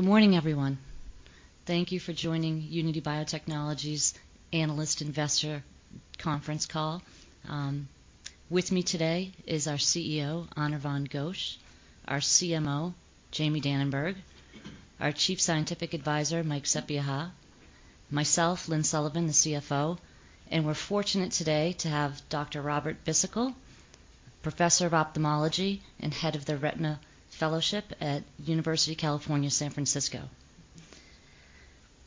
Good morning, everyone. Thank you for joining Unity Biotechnology's Analyst Investor Conference Call. With me today is our CEO, Anirvan Ghosh, our CMO, Jamie Dananberg, our Chief Scientific Advisor, Przemyslaw Sapieha, myself, Lynne Sullivan, the CFO. We're fortunate today to have Dr. Robert Bhisitkul, Professor of Ophthalmology and Head of the Retina Fellowship at University of California, San Francisco.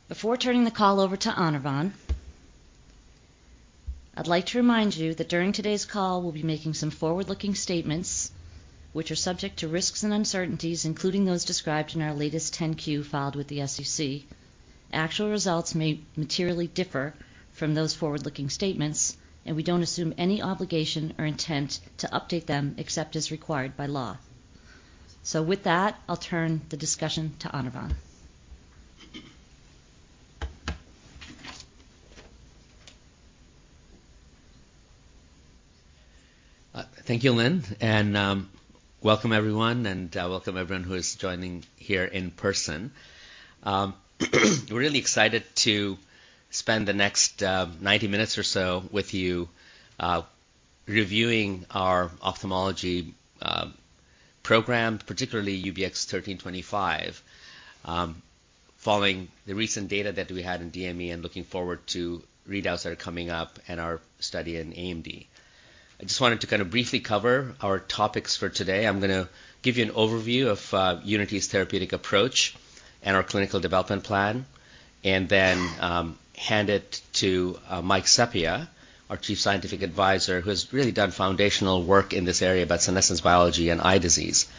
Before turning the call over to Anirvan, I'd like to remind you that during today's call, we'll be making some forward-looking statements which are subject to risks and uncertainties, including those described in our latest 10-Q filed with the SEC. Actual results may materially differ from those forward-looking statements, and we don't assume any obligation or intent to update them except as required by law. With that, I'll turn the discussion to Anirvan. Thank you, Lynne, and welcome everyone who is joining here in person. We're really excited to spend the next 90 minutes or so with you, reviewing our ophthalmology program, particularly UBX1325, following the recent data that we had in DME and looking forward to readouts that are coming up in our study in AMD. I just wanted to kinda briefly cover our topics for today. I'm gonna give you an overview of Unity's therapeutic approach and our clinical development plan, and then hand it to Przemyslaw Sapieha, our Chief Scientific Advisor, who's really done foundational work in this area about senescence biology and eye disease.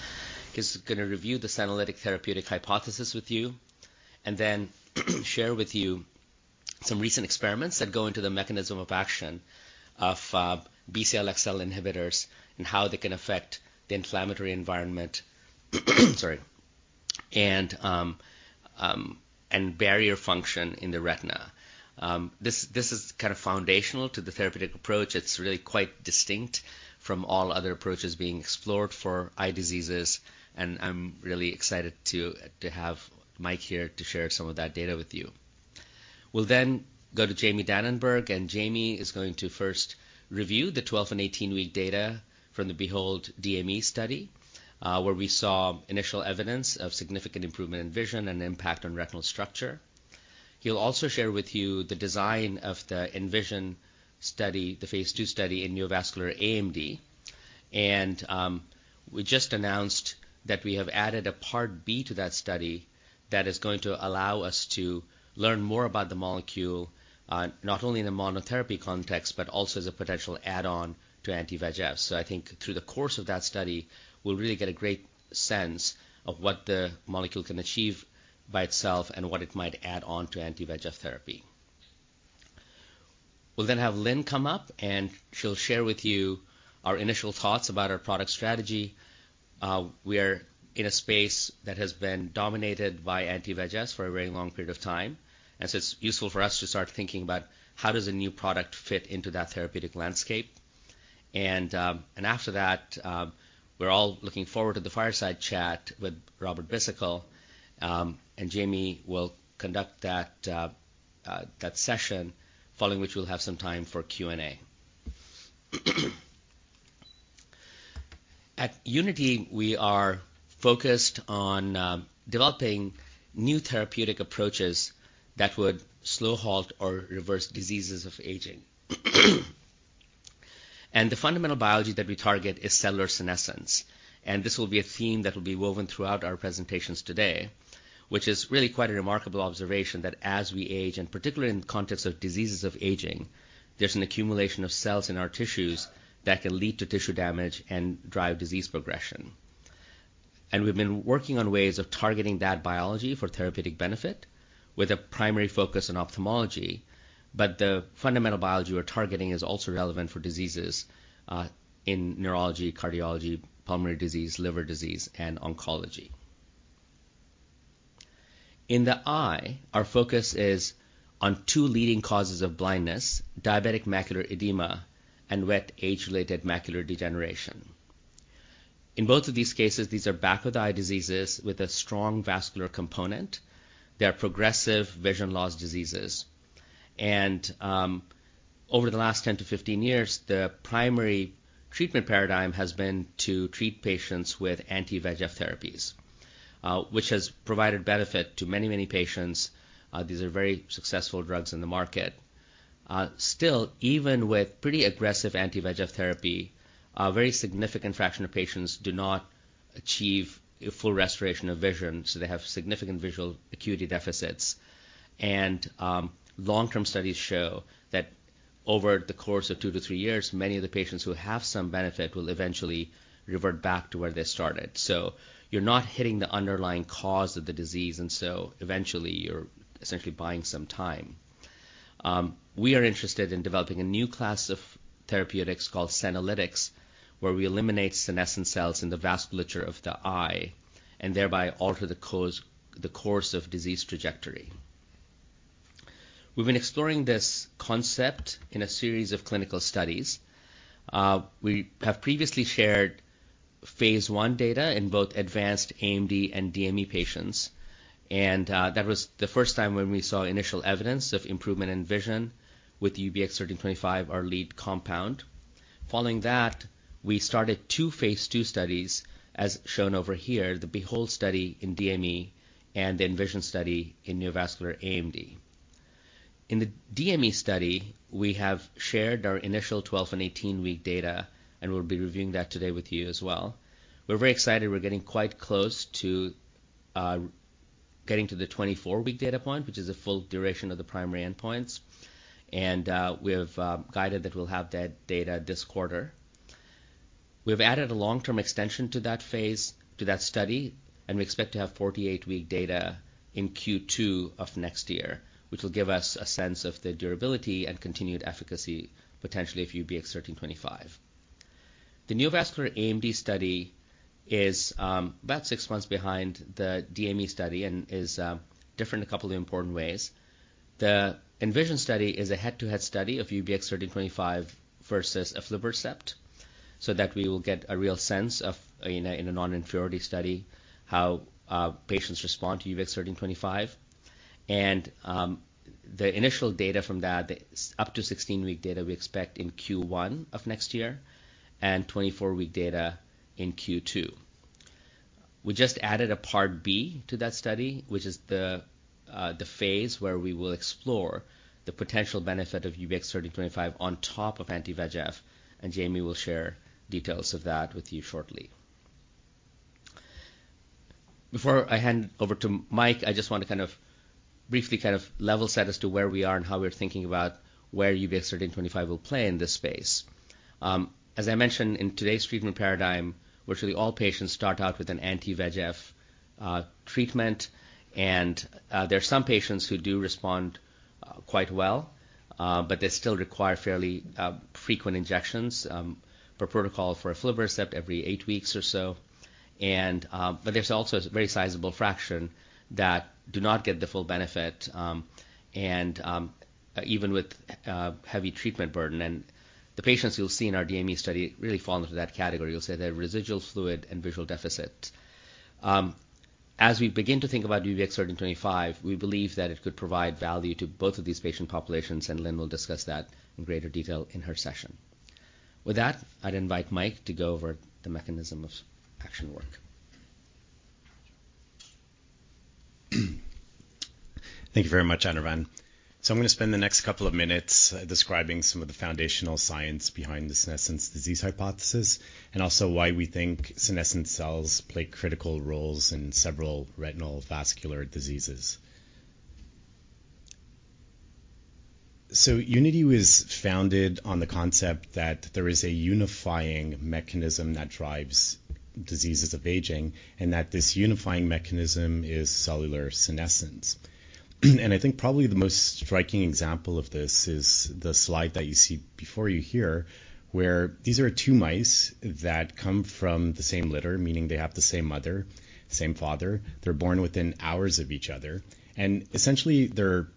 He's gonna review the senolytic therapeutic hypothesis with you and then share with you some recent experiments that go into the mechanism of action of BCL-xL inhibitors and how they can affect the inflammatory environment and barrier function in the retina. This is kind of foundational to the therapeutic approach. It's really quite distinct from all other approaches being explored for eye diseases, and I'm really excited to have Mike here to share some of that data with you. We'll then go to Jamie Dananberg, and Jamie is going to first review the 12- and 18-week data from the BEHOLD DME study, where we saw initial evidence of significant improvement in vision and impact on retinal structure. He'll also share with you the design of the ENVISION study, the phase 2 study in neovascular AMD. We just announced that we have added a Part B to that study that is going to allow us to learn more about the molecule, not only in a monotherapy context, but also as a potential add-on to anti-VEGF. I think through the course of that study, we'll really get a great sense of what the molecule can achieve by itself and what it might add on to anti-VEGF therapy. We'll then have Lynne come up, and she'll share with you our initial thoughts about our product strategy. We are in a space that has been dominated by anti-VEGF for a very long period of time, and so it's useful for us to start thinking about how does a new product fit into that therapeutic landscape. After that, we're all looking forward to the fireside chat with Robert Bhisitkul, and Jamie will conduct that session, following which we'll have some time for Q&A. At Unity, we are focused on developing new therapeutic approaches that would slow, halt, or reverse diseases of aging. The fundamental biology that we target is cellular senescence, and this will be a theme that will be woven throughout our presentations today, which is really quite a remarkable observation that as we age, and particularly in the context of diseases of aging, there's an accumulation of cells in our tissues that can lead to tissue damage and drive disease progression. We've been working on ways of targeting that biology for therapeutic benefit with a primary focus on ophthalmology. The fundamental biology we're targeting is also relevant for diseases in neurology, cardiology, pulmonary disease, liver disease, and oncology. In the eye, our focus is on two leading causes of blindness, diabetic macular edema and wet age-related macular degeneration. In both of these cases, these are back-of-the-eye diseases with a strong vascular component. They're progressive vision loss diseases. Over the last 10-15 years, the primary treatment paradigm has been to treat patients with anti-VEGF therapies, which has provided benefit to many, many patients. These are very successful drugs in the market. Still, even with pretty aggressive anti-VEGF therapy, a very significant fraction of patients do not achieve full restoration of vision, so they have significant visual acuity deficits. Long-term studies show that over the course of 2-3 years, many of the patients who have some benefit will eventually revert back to where they started. You're not hitting the underlying cause of the disease, and so eventually you're essentially buying some time. We are interested in developing a new class of therapeutics called senolytics, where we eliminate senescent cells in the vasculature of the eye and thereby alter the course of disease trajectory. We've been exploring this concept in a series of clinical studies. We have previously shared phase 1 data in both advanced AMD and DME patients, and that was the first time when we saw initial evidence of improvement in vision with UBX1325, our lead compound. Following that, we started two phase 2 studies, as shown over here, the BEHOLD study in DME and the ENVISION study in neovascular AMD. In the DME study, we have shared our initial 12- and 18-week data, and we'll be reviewing that today with you as well. We're very excited. We're getting quite close to getting to the 24-week data point, which is the full duration of the primary endpoints, and we have guided that we'll have that data this quarter. We've added a long-term extension to that phase, to that study, and we expect to have 48-week data in Q2 of next year, which will give us a sense of the durability and continued efficacy, potentially of UBX1325. The neovascular AMD study is about six months behind the DME study and is different in a couple of important ways. The ENVISION study is a head-to-head study of UBX1325 versus aflibercept so that we will get a real sense of, in a non-inferiority study, how patients respond to UBX1325. The initial data from that, up to 16-week data, we expect in Q1 of next year and 24-week data in Q2. We just added a part B to that study, which is the phase where we will explore the potential benefit of UBX1325 on top of anti-VEGF, and Jamie will share details of that with you shortly. Before I hand over to Mike, I just want to kind of briefly level set as to where we are and how we're thinking about where UBX1325 will play in this space. As I mentioned, in today's treatment paradigm, virtually all patients start out with an anti-VEGF treatment, and there are some patients who do respond quite well, but they still require fairly frequent injections, per protocol for aflibercept every eight weeks or so. But there's also a very sizable fraction that do not get the full benefit, and even with heavy treatment burden. The patients you'll see in our DME study really fall into that category. You'll see they have residual fluid and visual deficit. As we begin to think about UBX1325, we believe that it could provide value to both of these patient populations, and Lynne will discuss that in greater detail in her session. With that, I'd invite Mike to go over the mechanism of action work. Thank you very much, Anirvan. I'm gonna spend the next couple of minutes describing some of the foundational science behind the senescence disease hypothesis and also why we think senescent cells play critical roles in several retinal vascular diseases. Unity was founded on the concept that there is a unifying mechanism that drives diseases of aging, and that this unifying mechanism is cellular senescence. I think probably the most striking example of this is the slide that you see before you here, where these are two mice that come from the same litter, meaning they have the same mother, same father. They're born within hours of each other. Essentially, they're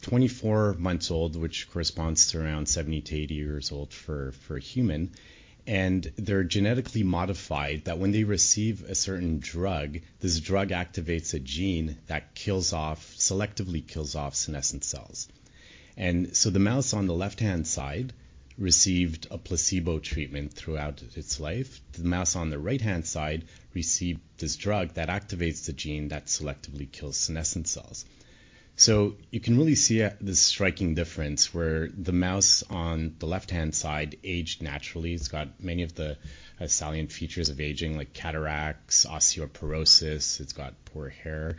24 months old, which corresponds to around 70-80 years old for a human. They're genetically modified, that when they receive a certain drug, this drug activates a gene that kills off, selectively kills off senescent cells. The mouse on the left-hand side received a placebo treatment throughout its life. The mouse on the right-hand side received this drug that activates the gene that selectively kills senescent cells. You can really see the striking difference, where the mouse on the left-hand side aged naturally. It's got many of the salient features of aging like cataracts, osteoporosis. It's got poor hair.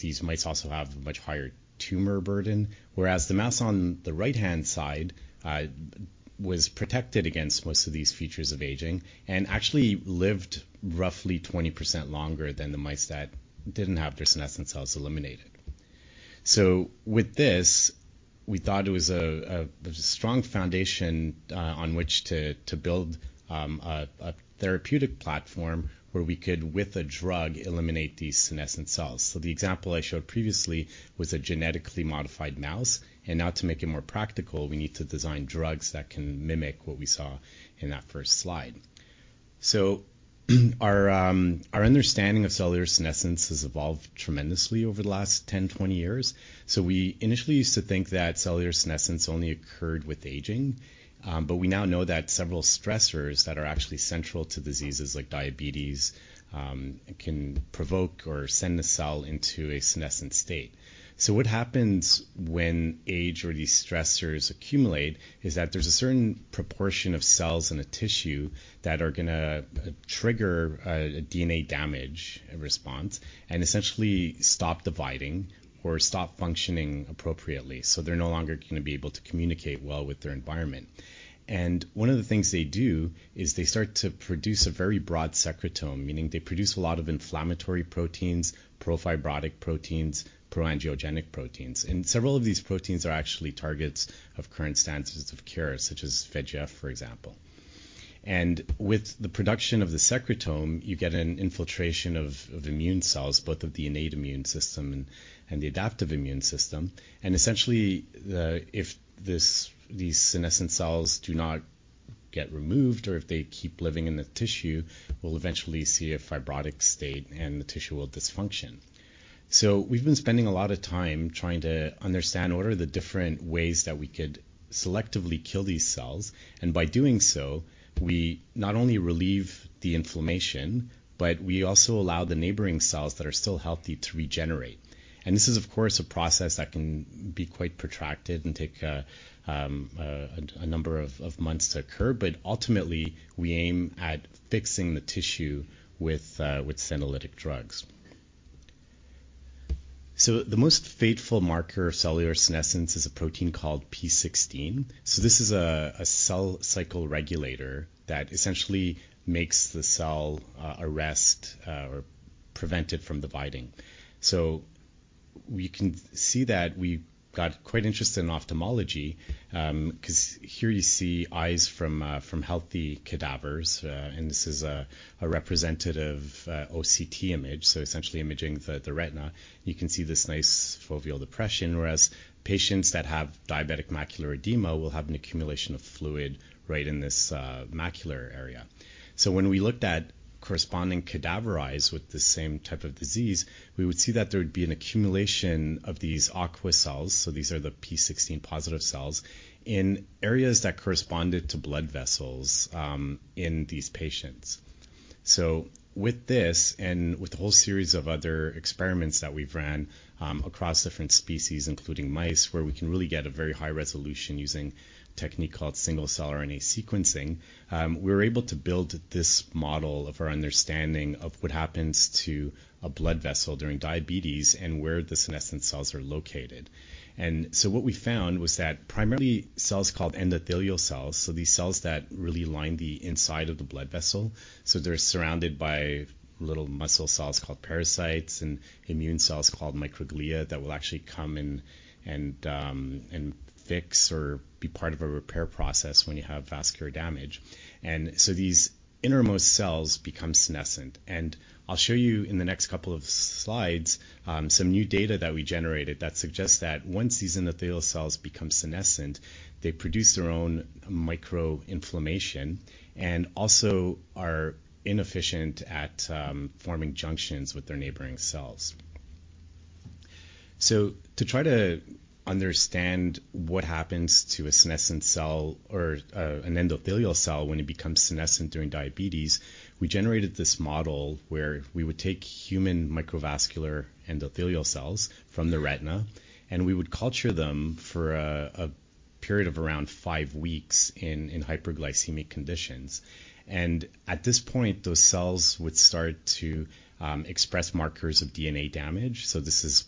These mice also have much higher tumor burden. Whereas the mouse on the right-hand side was protected against most of these features of aging and actually lived roughly 20% longer than the mice that didn't have their senescent cells eliminated. With this, we thought it was a strong foundation on which to build a therapeutic platform where we could, with a drug, eliminate these senescent cells. The example I showed previously was a genetically modified mouse, and now to make it more practical, we need to design drugs that can mimic what we saw in that first slide. Our understanding of cellular senescence has evolved tremendously over the last 10-20 years. We initially used to think that cellular senescence only occurred with aging, but we now know that several stressors that are actually central to diseases like diabetes can provoke or send the cell into a senescent state. What happens when age or these stressors accumulate is that there's a certain proportion of cells in a tissue that are gonna trigger a DNA damage response and essentially stop dividing or stop functioning appropriately. They're no longer gonna be able to communicate well with their environment. One of the things they do is they start to produce a very broad secretome, meaning they produce a lot of inflammatory proteins, pro-fibrotic proteins, pro-angiogenic proteins. Several of these proteins are actually targets of current standards of care, such as VEGF, for example. With the production of the secretome, you get an infiltration of immune cells, both of the innate immune system and the adaptive immune system. Essentially, if these senescent cells do not get removed or if they keep living in the tissue, we'll eventually see a fibrotic state, and the tissue will dysfunction. We've been spending a lot of time trying to understand what are the different ways that we could selectively kill these cells, and by doing so, we not only relieve the inflammation, but we also allow the neighboring cells that are still healthy to regenerate. This is, of course, a process that can be quite protracted and take a number of months to occur. Ultimately, we aim at fixing the tissue with senolytic drugs. The most fateful marker of cellular senescence is a protein called p16. This is a cell cycle regulator that essentially makes the cell arrest or prevent it from dividing. We can see that we got quite interested in ophthalmology, 'cause here you see eyes from healthy cadavers, and this is a representative OCT image, so essentially imaging the retina. You can see this nice foveal depression, whereas patients that have diabetic macular edema will have an accumulation of fluid right in this macular area. When we looked at corresponding cadaver eyes with the same type of disease, we would see that there would be an accumulation of these senescent cells, so these are the p16 positive cells, in areas that corresponded to blood vessels in these patients. With this and with a whole series of other experiments that we've ran, across different species, including mice, where we can really get a very high resolution using a technique called single-cell RNA sequencing, we were able to build this model of our understanding of what happens to a blood vessel during diabetes and where the senescent cells are located. What we found was that primarily cells called endothelial cells, so these cells that really line the inside of the blood vessel, so they're surrounded by little muscle cells called pericytes and immune cells called microglia that will actually come and fix or be part of a repair process when you have vascular damage. These innermost cells become senescent. I'll show you in the next couple of slides, some new data that we generated that suggests that once these endothelial cells become senescent, they produce their own micro inflammation and also are inefficient at, forming junctions with their neighboring cells. To try to understand what happens to a senescent cell or, an endothelial cell when it becomes senescent during diabetes, we generated this model where we would take human microvascular endothelial cells from the retina, and we would culture them for a period of around five weeks in hyperglycemic conditions. At this point, those cells would start to express markers of DNA damage. This is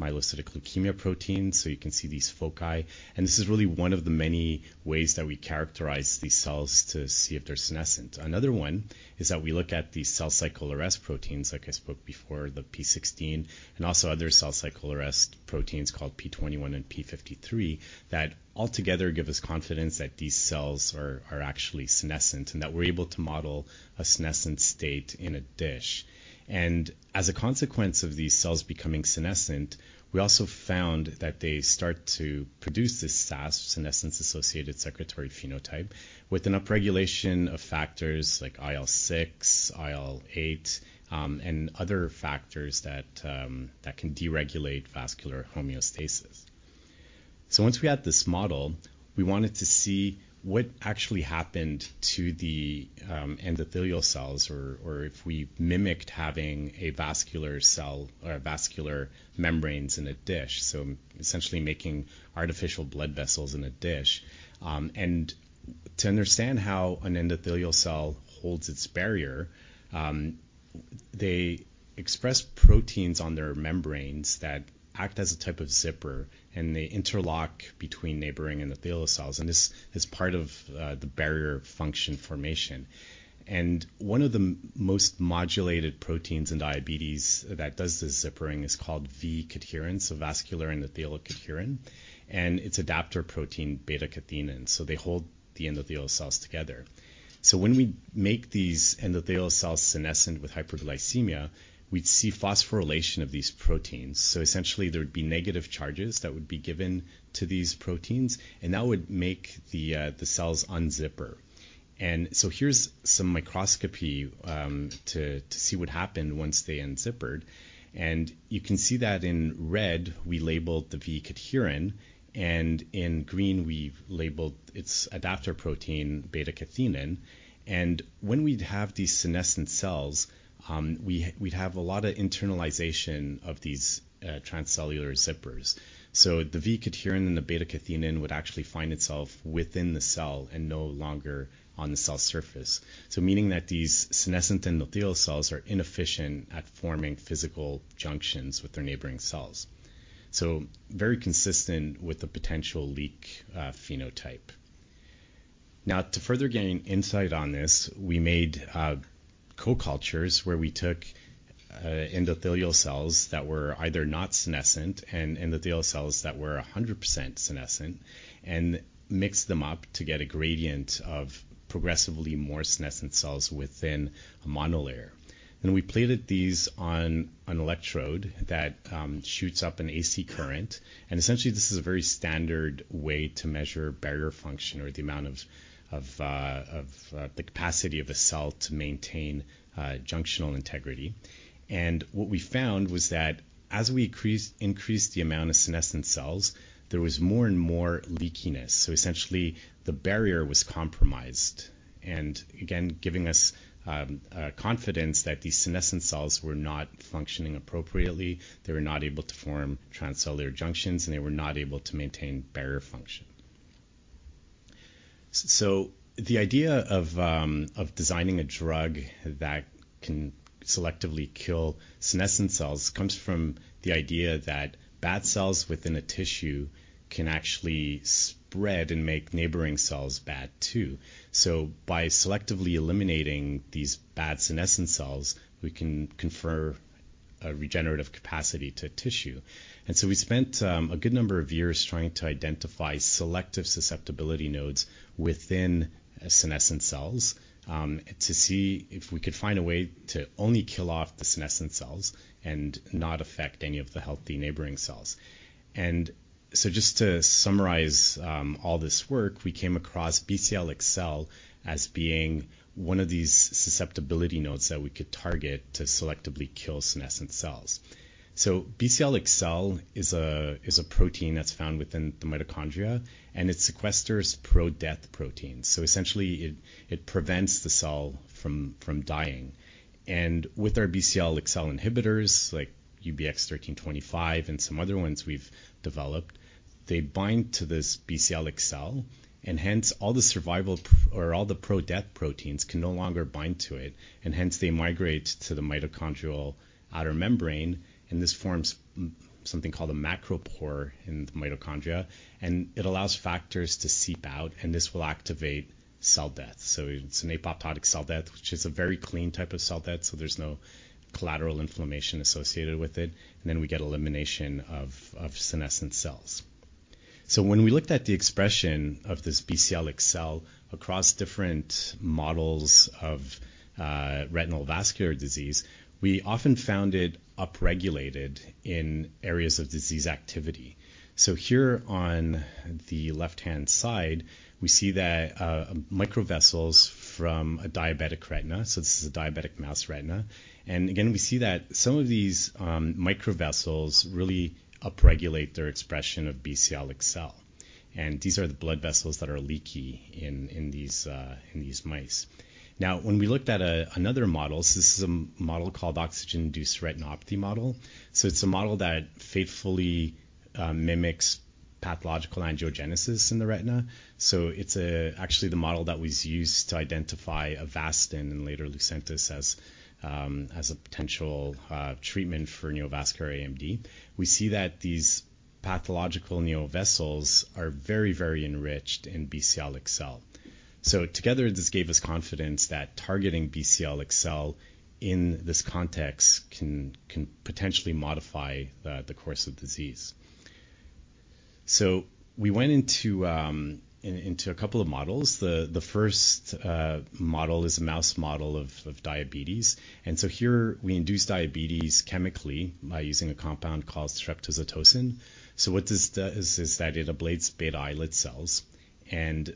promyelocytic leukemia protein, so you can see these foci. This is really one of the many ways that we characterize these cells to see if they're senescent. Another one is that we look at the cell cycle arrest proteins, like I spoke before, the p16, and also other cell cycle arrest proteins called p21 and p53 that altogether give us confidence that these cells are actually senescent and that we're able to model a senescent state in a dish. As a consequence of these cells becoming senescent, we also found that they start to produce this SASP, senescence-associated secretory phenotype, with an upregulation of factors like IL-6, IL-8, and other factors that can deregulate vascular homeostasis. Once we had this model, we wanted to see what actually happened to the endothelial cells or if we mimicked having a vascular cell or vascular membranes in a dish, so essentially making artificial blood vessels in a dish. To understand how an endothelial cell holds its barrier, they express proteins on their membranes that act as a type of zipper, and they interlock between neighboring endothelial cells, and this is part of the barrier function formation. One of the most modulated proteins in diabetes that does the zippering is called VE-cadherin, so vascular endothelial cadherin, and its adaptor protein beta-catenin. They hold the endothelial cells together. When we make these endothelial cells senescent with hyperglycemia, we'd see phosphorylation of these proteins. Essentially there would be negative charges that would be given to these proteins, and that would make the cells unzipper. Here's some microscopy to see what happened once they unzippered. You can see that in red we labeled the VE-cadherin and in green we've labeled its adaptor protein beta-catenin. When we'd have these senescent cells, we'd have a lot of internalization of these transcellular zippers. The VE-cadherin and the beta-catenin would actually find itself within the cell and no longer on the cell surface. Meaning that these senescent endothelial cells are inefficient at forming physical junctions with their neighboring cells. Very consistent with the potential leak phenotype. To further gain insight on this, we made co-cultures where we took endothelial cells that were either not senescent and endothelial cells that were 100% senescent and mixed them up to get a gradient of progressively more senescent cells within a monolayer. Then we plated these on an electrode that shoots up an AC current. Essentially, this is a very standard way to measure barrier function or the amount of the capacity of a cell to maintain junctional integrity. What we found was that as we increase the amount of senescent cells, there was more and more leakiness. Essentially, the barrier was compromised. Again, giving us confidence that these senescent cells were not functioning appropriately. They were not able to form transcellular junctions, and they were not able to maintain barrier function. The idea of designing a drug that can selectively kill senescent cells comes from the idea that bad cells within a tissue can actually spread and make neighboring cells bad too. By selectively eliminating these bad senescent cells, we can confer a regenerative capacity to tissue. We spent a good number of years trying to identify selective susceptibility nodes within senescent cells, to see if we could find a way to only kill off the senescent cells and not affect any of the healthy neighboring cells. Just to summarize all this work, we came across BCL-xL as being one of these susceptibility nodes that we could target to selectively kill senescent cells. BCL-xL is a protein that's found within the mitochondria, and it sequesters pro-death proteins. Essentially, it prevents the cell from dying. With our BCL-xL inhibitors like UBX1325 and some other ones we've developed, they bind to this BCL-xL, and hence all the survival or all the pro-death proteins can no longer bind to it, and hence they migrate to the mitochondrial outer membrane, and this forms a macropore in the mitochondria. It allows factors to seep out, and this will activate cell death. It's an apoptotic cell death, which is a very clean type of cell death, so there's no collateral inflammation associated with it, and then we get elimination of senescent cells. When we looked at the expression of this BCL-xL across different models of retinal vascular disease, we often found it upregulated in areas of disease activity. Here on the left-hand side, we see that microvessels from a diabetic retina. This is a diabetic mouse retina. Again, we see that some of these microvessels really upregulate their expression of BCL-xL, and these are the blood vessels that are leaky in these mice. Now, when we looked at another model, this is a model called oxygen-induced retinopathy model. It's actually the model that was used to identify Avastin and later Lucentis as a potential treatment for neovascular AMD. We see that these pathological neovessels are very enriched in BCL-xL. Together, this gave us confidence that targeting BCL-xL in this context can potentially modify the course of disease. We went into a couple of models. The first model is a mouse model of diabetes. Here we induce diabetes chemically by using a compound called streptozotocin. What this does is that it ablates beta islet cells and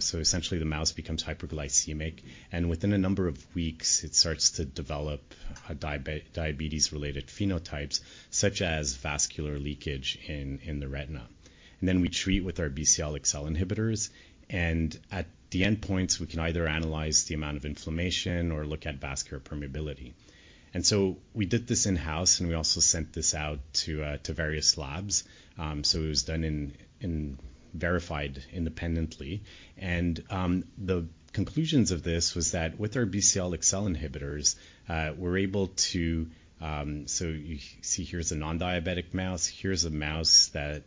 so essentially the mouse becomes hyperglycemic, and within a number of weeks, it starts to develop diabetes-related phenotypes such as vascular leakage in the retina. We treat with our BCL-xL inhibitors, and at the endpoints, we can either analyze the amount of inflammation or look at vascular permeability. We did this in-house, and we also sent this out to various labs, so it was done independently verified. The conclusions of this was that with our BCL-xL inhibitors, we're able to. You see here's a non-diabetic mouse. Here's a mouse that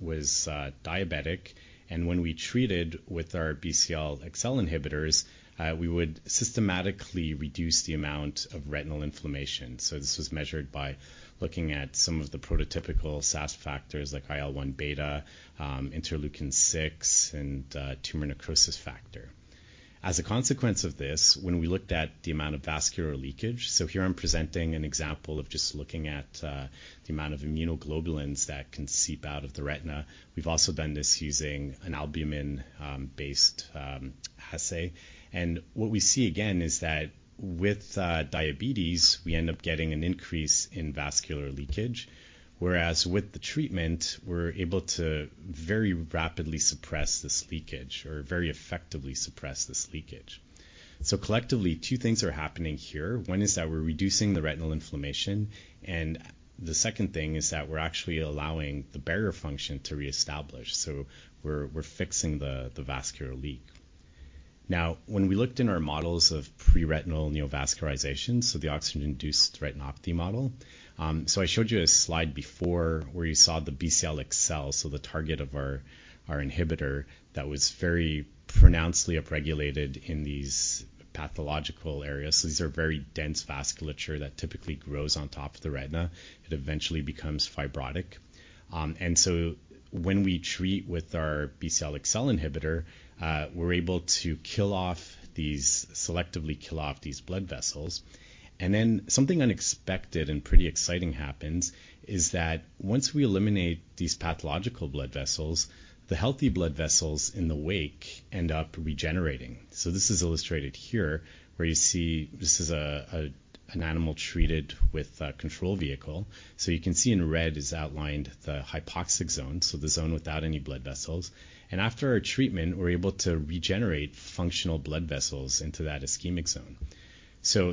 was diabetic. When we treated with our BCL-xL inhibitors, we would systematically reduce the amount of retinal inflammation. This was measured by looking at some of the prototypical SASP factors like IL-1β, interleukin-6, and tumor necrosis factor. As a consequence of this, when we looked at the amount of vascular leakage, here I'm presenting an example of just looking at the amount of immunoglobulins that can seep out of the retina. We've also done this using an albumin based assay. What we see again is that with diabetes, we end up getting an increase in vascular leakage, whereas with the treatment, we're able to very rapidly suppress this leakage or very effectively suppress this leakage. Collectively, two things are happening here. One is that we're reducing the retinal inflammation, and the second thing is that we're actually allowing the barrier function to reestablish. We're fixing the vascular leak. Now, when we looked in our models of pre-retinal neovascularization, the oxygen-induced retinopathy model. I showed you a slide before where you saw the BCL-xL, the target of our inhibitor that was very pronouncedly upregulated in these pathological areas. These are very dense vasculature that typically grows on top of the retina. It eventually becomes fibrotic. When we treat with our BCL-xL inhibitor, we're able to selectively kill off these blood vessels. Something unexpected and pretty exciting happens is that once we eliminate these pathological blood vessels, the healthy blood vessels in the wake end up regenerating. This is illustrated here, where you see this is an animal treated with a control vehicle. You can see in red is outlined the hypoxic zone, so the zone without any blood vessels. After our treatment, we're able to regenerate functional blood vessels into that ischemic zone.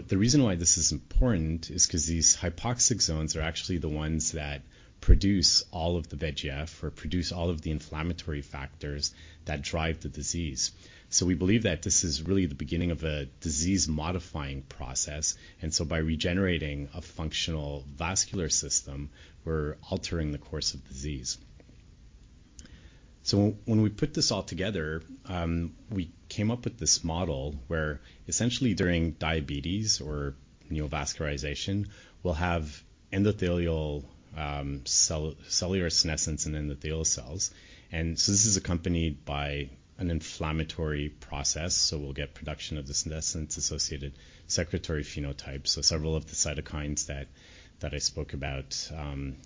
The reason why this is important is 'cause these hypoxic zones are actually the ones that produce all of the VEGF or produce all of the inflammatory factors that drive the disease. We believe that this is really the beginning of a disease-modifying process, and so by regenerating a functional vascular system, we're altering the course of disease. When we put this all together, we came up with this model where essentially during diabetes or neovascularization, we'll have endothelial cellular senescence in endothelial cells. This is accompanied by an inflammatory process, so we'll get production of the senescence-associated secretory phenotype, so several of the cytokines that I spoke about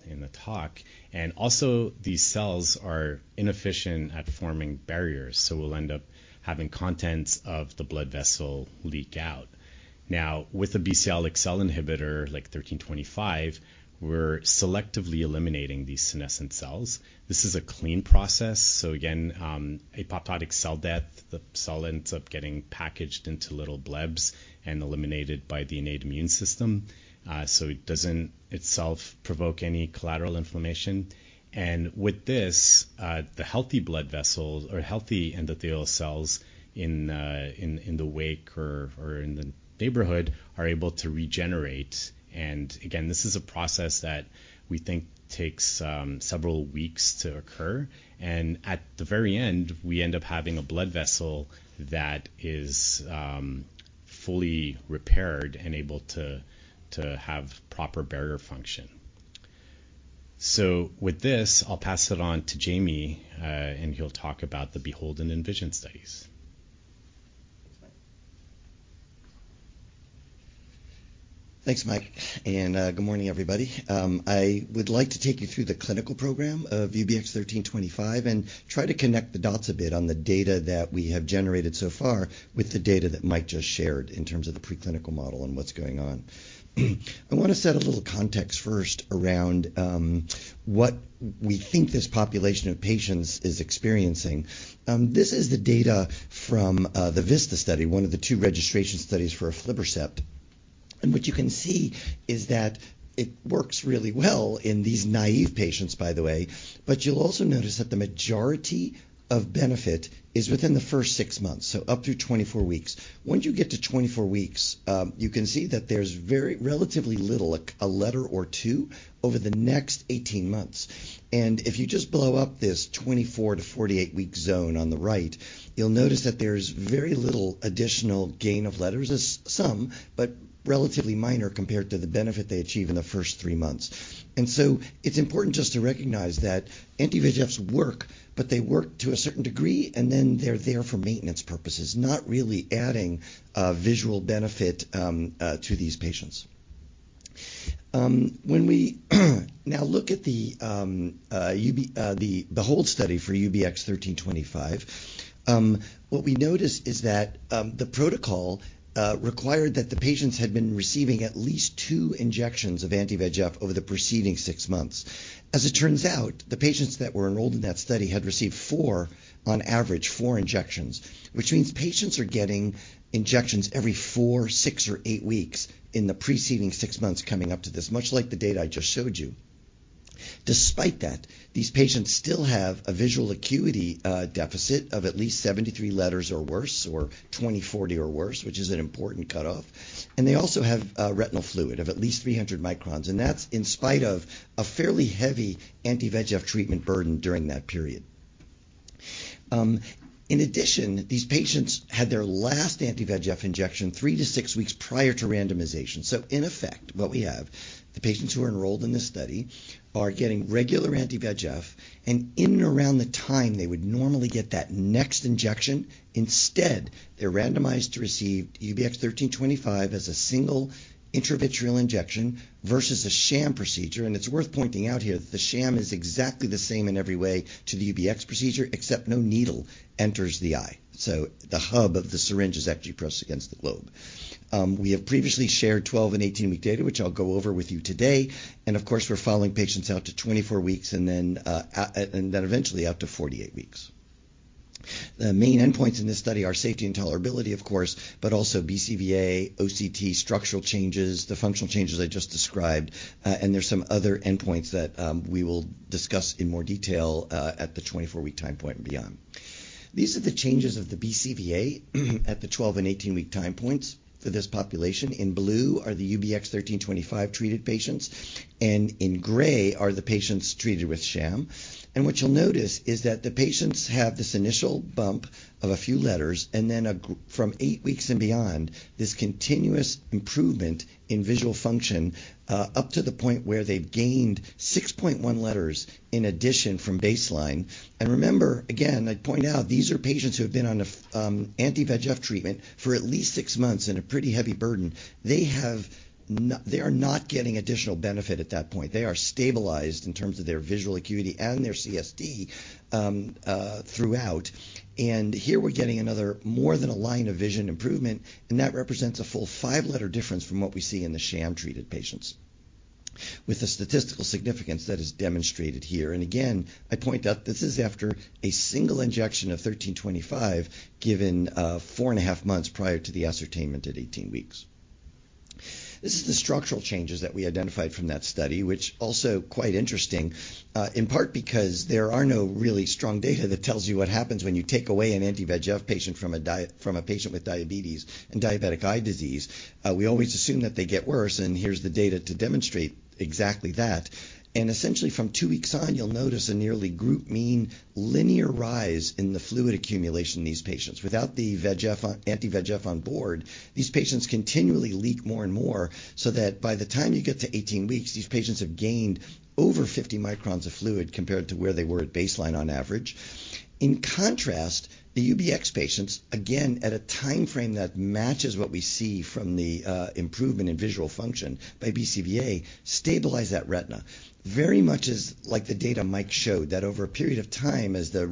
in the talk. Also these cells are inefficient at forming barriers, so we'll end up having contents of the blood vessel leak out. Now, with a BCL-xL inhibitor like 1325, we're selectively eliminating these senescent cells. This is a clean process, so again, apoptotic cell death. The cell ends up getting packaged into little blebs and eliminated by the innate immune system, so it doesn't itself provoke any collateral inflammation. With this, the healthy blood vessels or healthy endothelial cells in the wake or in the neighborhood are able to regenerate. Again, this is a process that we think takes several weeks to occur. At the very end, we end up having a blood vessel that is fully repaired and able to have proper barrier function. With this, I'll pass it on to Jamie, and he'll talk about the BEHOLD and ENVISION studies. Thanks, Mike. Good morning, everybody. I would like to take you through the clinical program of UBX1325 and try to connect the dots a bit on the data that we have generated so far with the data that Mike just shared in terms of the preclinical model and what's going on. I wanna set a little context first around what we think this population of patients is experiencing. This is the data from the VISTA study, one of the 2 registration studies for aflibercept. What you can see is that it works really well in these naive patients, by the way. You'll also notice that the majority of benefit is within the first 6 months, so up to 24 weeks. Once you get to 24 weeks, you can see that there's relatively little, a letter or two over the next 18 months. If you just blow up this 24-48 week zone on the right, you'll notice that there's very little additional gain of letters. There's some, but relatively minor compared to the benefit they achieve in the first three months. It's important just to recognize that anti-VEGFs work, but they work to a certain degree, and then they're there for maintenance purposes, not really adding visual benefit to these patients. When we now look at the BEHOLD study for UBX1325, what we notice is that the protocol required that the patients had been receiving at least two injections of anti-VEGF over the preceding six months. As it turns out, the patients that were enrolled in that study had received, on average, four injections, which means patients are getting injections every four, six or eight weeks in the preceding six months coming up to this, much like the data I just showed you. Despite that, these patients still have a visual acuity deficit of at least 73 letters or worse, or 20/40 or worse, which is an important cutoff. They also have retinal fluid of at least 300 microns, and that's in spite of a fairly heavy anti-VEGF treatment burden during that period. In addition, these patients had their last anti-VEGF injection 3-6 weeks prior to randomization. In effect, what we have, the patients who are enrolled in this study are getting regular anti-VEGF, and in and around the time they would normally get that next injection, instead, they're randomized to receive UBX1325 as a single intravitreal injection versus a sham procedure. It's worth pointing out here that the sham is exactly the same in every way to the UBX procedure, except no needle enters the eye. The hub of the syringe is actually pressed against the globe. We have previously shared 12- and 18-week data, which I'll go over with you today. Of course, we're following patients out to 24 weeks and then and then eventually out to 48 weeks. The main endpoints in this study are safety and tolerability, of course, but also BCVA, OCT structural changes, the functional changes I just described, and there's some other endpoints that we will discuss in more detail at the 24-week time point and beyond. These are the changes of the BCVA at the 12- and 18-week time points. For this population, in blue are the UBX1325-treated patients, and in gray are the patients treated with sham. What you'll notice is that the patients have this initial bump of a few letters, and then from eight weeks and beyond, this continuous improvement in visual function up to the point where they've gained 6.1 letters in addition from baseline. Remember, again, I'd point out, these are patients who have been on anti-VEGF treatment for at least 6 months and a pretty heavy burden. They are not getting additional benefit at that point. They are stabilized in terms of their visual acuity and their CST throughout. Here we're getting another more than a line of vision improvement, and that represents a full five-letter difference from what we see in the sham-treated patients. With the statistical significance that is demonstrated here, and again, I point out this is after a single injection of 1325 given four and a half months prior to the ascertainment at 18 weeks. This is the structural changes that we identified from that study, which also quite interesting, in part because there are no really strong data that tells you what happens when you take away anti-VEGF from a patient with diabetes and diabetic eye disease. We always assume that they get worse, and here's the data to demonstrate exactly that. Essentially, from two weeks on, you'll notice a nearly group mean linear rise in the fluid accumulation in these patients. Without the anti-VEGF on board, these patients continually leak more and more so that by the time you get to 18 weeks, these patients have gained over 50 microns of fluid compared to where they were at baseline on average. In contrast, the UBX patients, again, at a timeframe that matches what we see from the improvement in visual function by BCVA, stabilize that retina. Very much as like the data Mike showed, that over a period of time as the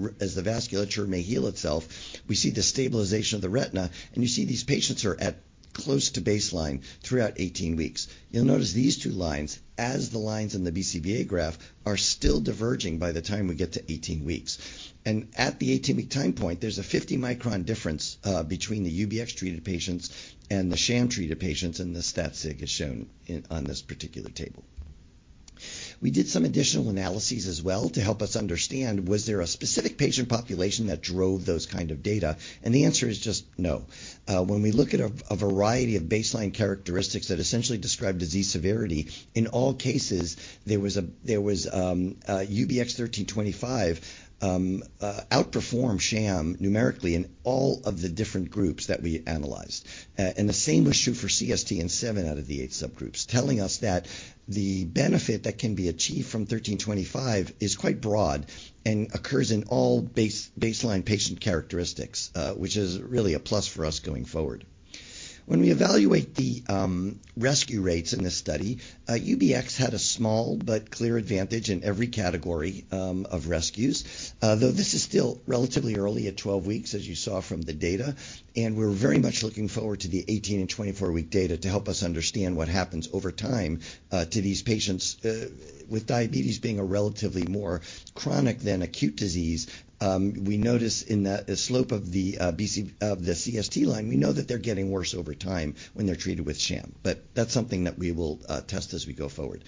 vasculature may heal itself, we see the stabilization of the retina, and you see these patients are at close to baseline throughout 18 weeks. You'll notice these two lines as the lines in the BCVA graph are still diverging by the time we get to 18 weeks. At the 18-week time point, there's a 50-micron difference between the UBX-treated patients and the sham-treated patients, and the stat sig is shown in on this particular table. We did some additional analyses as well to help us understand was there a specific patient population that drove those kind of data, and the answer is just no. When we look at a variety of baseline characteristics that essentially describe disease severity, in all cases, there was UBX1325 outperformed sham numerically in all of the different groups that we analyzed. The same was true for CST in seven out of the eight subgroups, telling us that the benefit that can be achieved from 1325 is quite broad and occurs in all baseline patient characteristics, which is really a plus for us going forward. When we evaluate rescue rates in this study, UBX had a small but clear advantage in every category of rescues. Though this is still relatively early at 12 weeks, as you saw from the data, and we're very much looking forward to the 18- and 24-week data to help us understand what happens over time to these patients. With diabetes being a relatively more chronic than acute disease, we notice in the slope of the CST line, we know that they're getting worse over time when they're treated with sham. That's something that we will test as we go forward.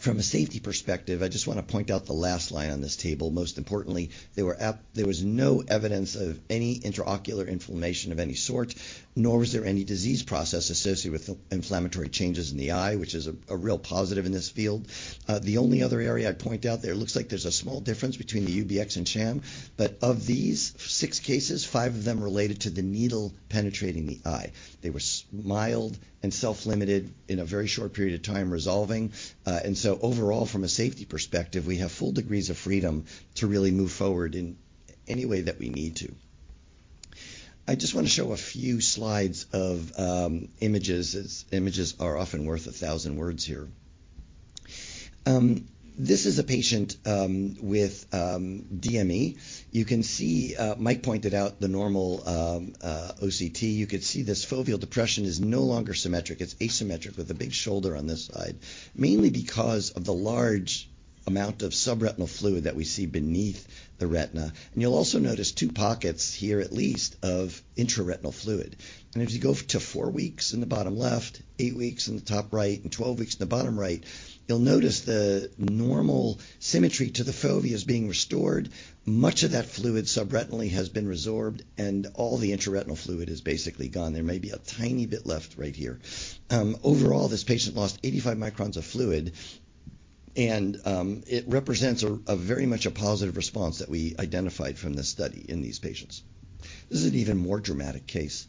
From a safety perspective, I just wanna point out the last line on this table. Most importantly, there was no evidence of any intraocular inflammation of any sort, nor was there any disease process associated with inflammatory changes in the eye, which is a real positive in this field. The only other area I'd point out there. It looks like there's a small difference between the UBX and sham, but of these six cases, five of them related to the needle penetrating the eye. They were mild and self-limited in a very short period of time resolving. Overall, from a safety perspective, we have full degrees of freedom to really move forward in any way that we need to. I just want to show a few slides of images, as images are often worth a thousand words here. This is a patient with DME. You can see Mike pointed out the normal OCT. You could see this foveal depression is no longer symmetric. It's asymmetric with a big shoulder on this side, mainly because of the large amount of subretinal fluid that we see beneath the retina. You'll also notice two pockets here, at least, of intraretinal fluid. If you go to four weeks in the bottom left, eight weeks in the top right, and 12 weeks in the bottom right, you'll notice the normal symmetry to the fovea is being restored. Much of that fluid subretinally has been resorbed, and all the intraretinal fluid is basically gone. There may be a tiny bit left right here. Overall, this patient lost 85 microns of fluid, and it represents a very much a positive response that we identified from this study in these patients. This is an even more dramatic case.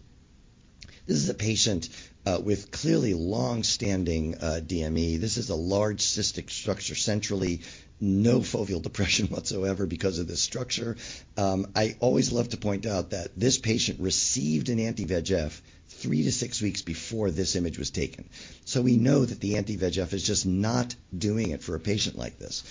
This is a patient with clearly long-standing DME. This is a large cystic structure centrally. No foveal depression whatsoever because of this structure. I always love to point out that this patient received an anti-VEGF 3-6 weeks before this image was taken. We know that the anti-VEGF is just not doing it for a patient like this.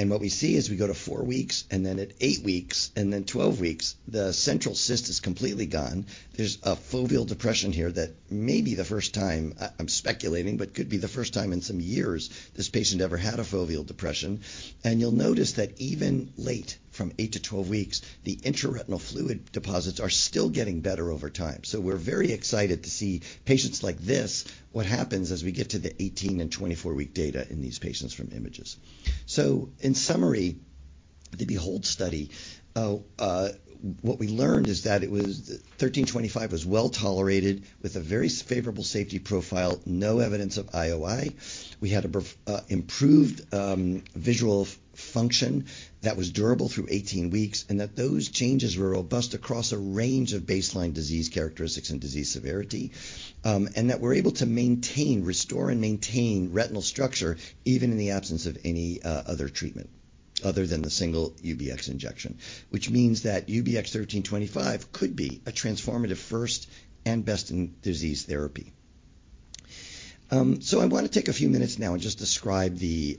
What we see as we go to four weeks, and then at eight weeks, and then 12 weeks, the central cyst is completely gone. There's a foveal depression here that may be the first time, I'm speculating, but could be the first time in some years this patient ever had a foveal depression. You'll notice that even late, from 8-12 weeks, the intraretinal fluid deposits are still getting better over time. We're very excited to see patients like this, what happens as we get to the 18- and 24-week data in these patients from images. In summary, the BEHOLD study. What we learned is that 1325 was well-tolerated with a very favorable safety profile, no evidence of IOI. We had improved visual function that was durable through 18 weeks, and that those changes were robust across a range of baseline disease characteristics and disease severity, and that we're able to maintain, restore and maintain retinal structure even in the absence of any other treatment other than the single UBX injection. Which means that UBX1325 could be a transformative first and best-in disease therapy. I wanna take a few minutes now and just describe the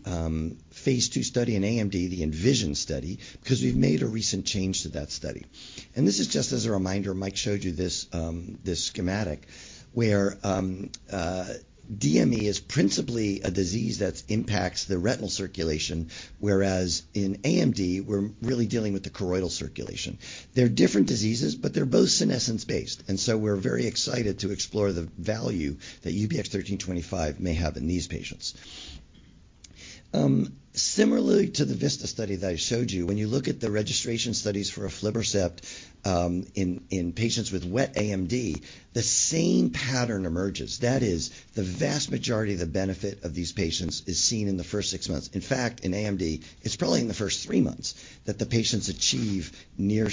phase 2 study in AMD, the ENVISION study, because we've made a recent change to that study. This is just as a reminder. Mike showed you this schematic where DME is principally a disease that impacts the retinal circulation, whereas in AMD, we're really dealing with the choroidal circulation. They're different diseases, but they're both senescence-based, and so we're very excited to explore the value that UBX1325 may have in these patients. Similarly to the VISTA study that I showed you, when you look at the registration studies for aflibercept in patients with wet AMD, the same pattern emerges. That is, the vast majority of the benefit for these patients is seen in the first 6 months. In fact, in AMD, it's probably in the first three months that the patients achieve near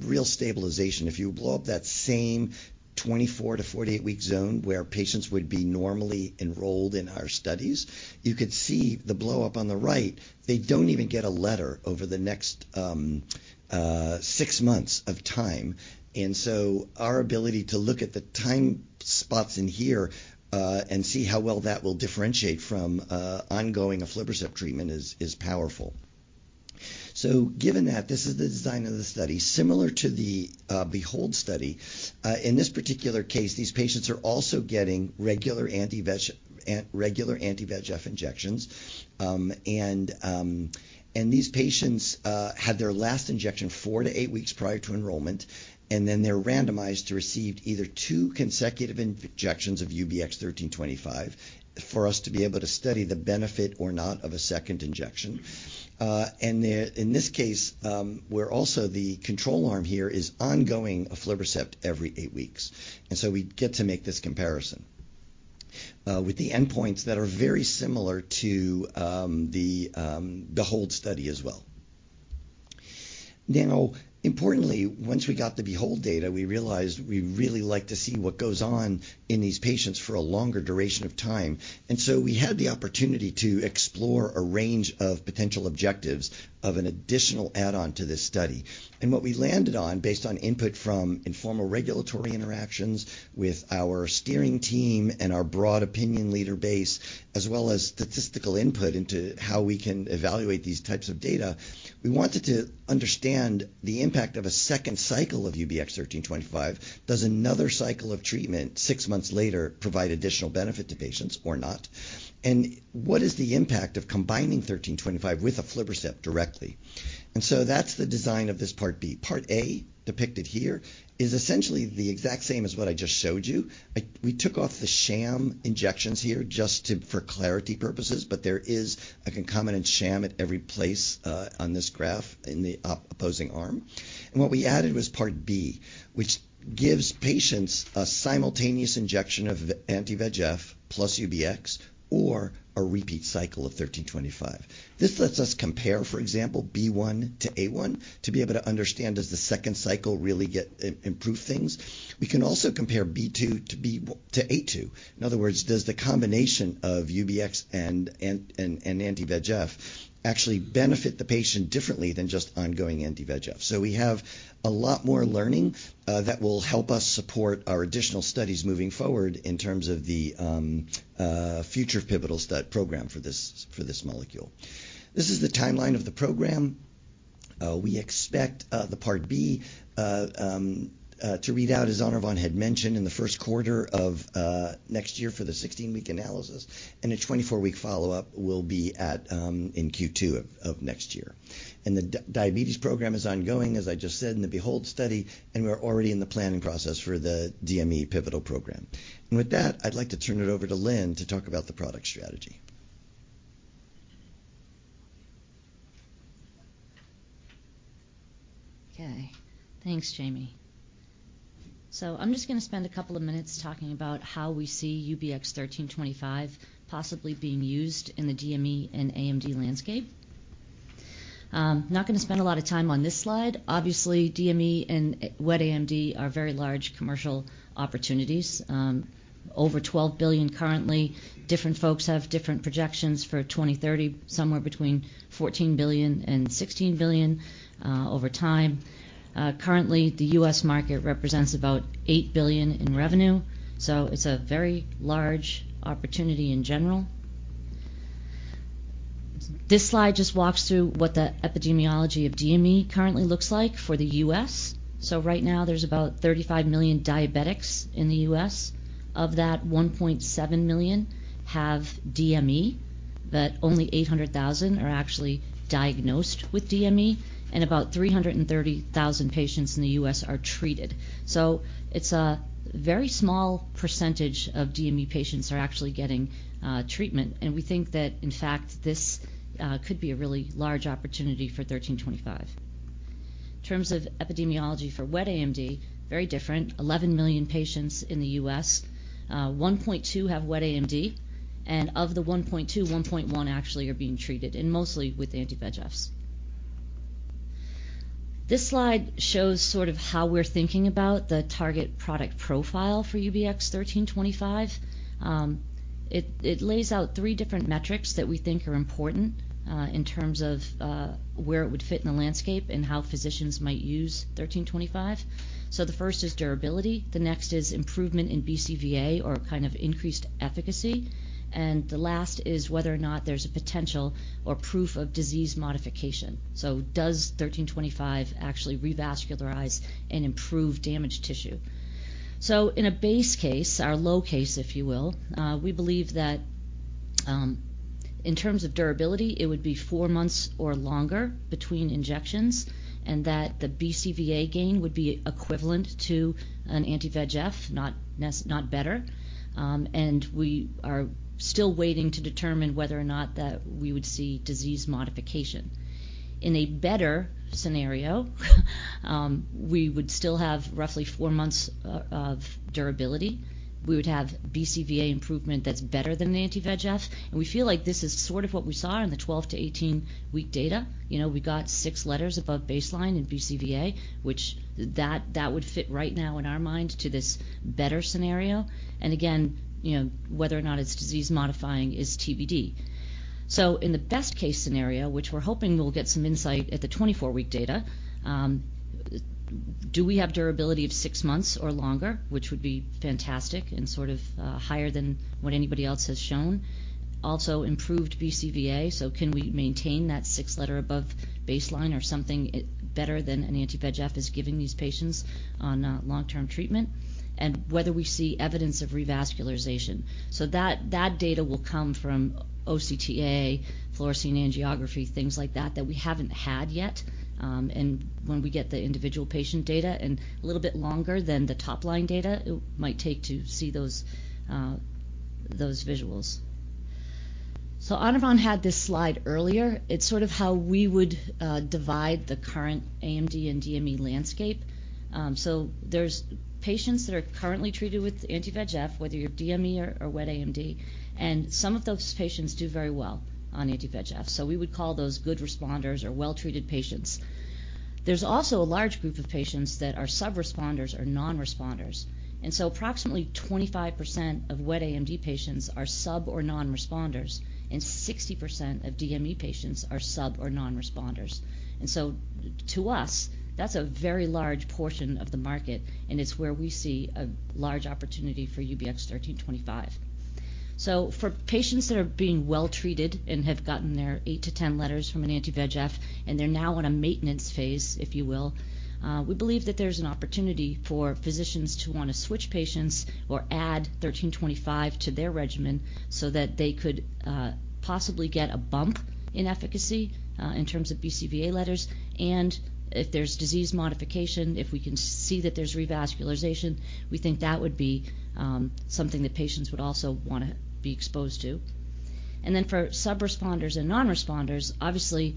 real stabilization. If you blow up that same 24- to 48-week zone where patients would be normally enrolled in our studies, you could see the blow up on the right. They don't even get a letter over the next six months of time. Our ability to look at the time points in here and see how well that will differentiate from ongoing aflibercept treatment is powerful. Given that, this is the design of the study. Similar to the BEHOLD study, in this particular case, these patients are also getting regular anti-VEGF injections. These patients had their last injection 4-8 weeks prior to enrollment, and then they're randomized to receive either two consecutive injections of UBX1325 for us to be able to study the benefit or not of a second injection. In this case, we're also the control arm here is ongoing aflibercept every eight weeks. We get to make this comparison with the endpoints that are very similar to the BEHOLD study as well. Now, importantly, once we got the BEHOLD data, we realized we'd really like to see what goes on in these patients for a longer duration of time. We had the opportunity to explore a range of potential objectives of an additional add-on to this study. What we landed on based on input from informal regulatory interactions with our steering team and our broad opinion leader base, as well as statistical input into how we can evaluate these types of data, we wanted to understand the impact of a second cycle of UBX1325. Does another cycle of treatment 6 months later provide additional benefit to patients or not? What is the impact of combining 1325 with aflibercept directly? That's the design of this Part B. Part A, depicted here, is essentially the exact same as what I just showed you. We took off the sham injections here just to, for clarity purposes, but there is a concomitant sham at every place on this graph in the opposing arm. What we added was Part B, which gives patients a simultaneous injection of anti-VEGF plus UBX or a repeat cycle of 1325. This lets us compare, for example, B1-A1, to be able to understand, does the second cycle really improve things? We can also compare B2-A2. In other words, does the combination of UBX and anti-VEGF actually benefit the patient differently than just ongoing anti-VEGF? We have a lot more learning that will help us support our additional studies moving forward in terms of the future pivotal program for this molecule. This is the timeline of the program. We expect the Part B to read out, as Anirvan had mentioned, in the first quarter of next year for the 16-week analysis, and a 24-week follow-up will be in Q2 of next year. The diabetes program is ongoing, as I just said, in the BEHOLD study, and we're already in the planning process for the DME pivotal program. With that, I'd like to turn it over to Lynne to talk about the product strategy. Okay. Thanks, Jamie. I'm just gonna spend a couple of minutes talking about how we see UBX1325 possibly being used in the DME and AMD landscape. Not gonna spend a lot of time on this slide. Obviously, DME and wet AMD are very large commercial opportunities, over $12 billion currently. Different folks have different projections for 2030, somewhere between $14 billion and $16 billion over time. Currently, the U.S. market represents about $8 billion in revenue, so it's a very large opportunity in general. This slide just walks through what the epidemiology of DME currently looks like for the U.S. Right now, there's about 35 million diabetics in the U.S. Of that, 1.7 million have DME, but only 800,000 are actually diagnosed with DME, and about 330,000 patients in the U.S. are treated. It's a very small percentage of DME patients are actually getting treatment, and we think that, in fact, this could be a really large opportunity for UBX1325. In terms of epidemiology for wet AMD, very different. 11 million patients in the U.S., 1.2 have wet AMD. Of the 1.2, 1.1 actually are being treated, and mostly with anti-VEGFs. This slide shows sort of how we're thinking about the target product profile for UBX1325. It lays out three different metrics that we think are important in terms of where it would fit in the landscape and how physicians might use UBX1325. The first is durability, the next is improvement in BCVA or kind of increased efficacy, and the last is whether or not there's a potential or proof of disease modification. Does 1325 actually revascularize and improve damaged tissue? In a base case, our low case if you will, we believe that, in terms of durability, it would be four months or longer between injections and that the BCVA gain would be equivalent to an anti-VEGF, not better. We are still waiting to determine whether or not that we would see disease modification. In a better scenario, we would still have roughly four months of durability. We would have BCVA improvement that's better than the anti-VEGF. We feel like this is sort of what we saw in the 12-18-week data. You know, we got six letters above baseline in BCVA, which would fit right now in our mind to this better scenario. Again, you know, whether or not it's disease-modifying is TBD. In the best-case scenario, which we're hoping we'll get some insight at the 24-week data, do we have durability of six months or longer, which would be fantastic and sort of higher than what anybody else has shown? Also improved BCVA. Can we maintain that six letters above baseline or something better than an anti-VEGF is giving these patients on long-term treatment and whether we see evidence of revascularization. That data will come from OCTA, fluorescein angiography, things like that we haven't had yet. And when we get the individual patient data and a little bit longer than the top-line data it might take to see those visuals. Anirvan Ghosh had this slide earlier. It's sort of how we would divide the current AMD and DME landscape. There's patients that are currently treated with anti-VEGF, whether you're DME or wet AMD, and some of those patients do very well on anti-VEGF. We would call those good responders or well-treated patients. There's also a large group of patients that are sub-responders or non-responders, and so approximately 25% of wet AMD patients are sub or non-responders, and 60% of DME patients are sub or non-responders. To us, that's a very large portion of the market, and it's where we see a large opportunity for UBX1325. for patients that are being well-treated and have gotten their 8-10 letters from an anti-VEGF and they're now in a maintenance phase, if you will, we believe that there's an opportunity for physicians to want to switch patients or add UBX1325 to their regimen so that they could possibly get a bump in efficacy in terms of BCVA letters and if there's disease modification, if we can see that there's revascularization, we think that would be something that patients would also wanna be exposed to. for sub-responders and non-responders, obviously,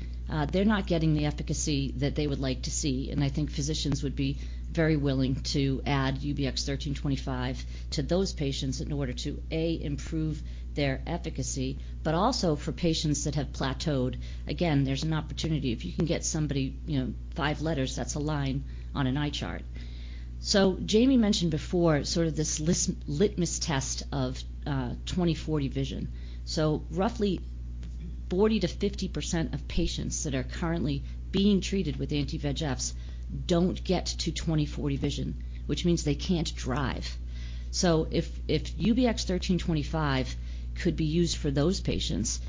they're not getting the efficacy that they would like to see, and I think physicians would be very willing to add UBX1325 to those patients in order to, A, improve their efficacy but also for patients that have plateaued. Again, there's an opportunity. If you can get somebody, you know, five letters, that's a line on an eye chart. Jamie mentioned before sort of this litmus test of twenty/forty vision. Roughly 40%-50% of patients that are currently being treated with anti-VEGFs don't get to 20/40 vision, which means they can't drive. If UBX1325 could be used for those patients,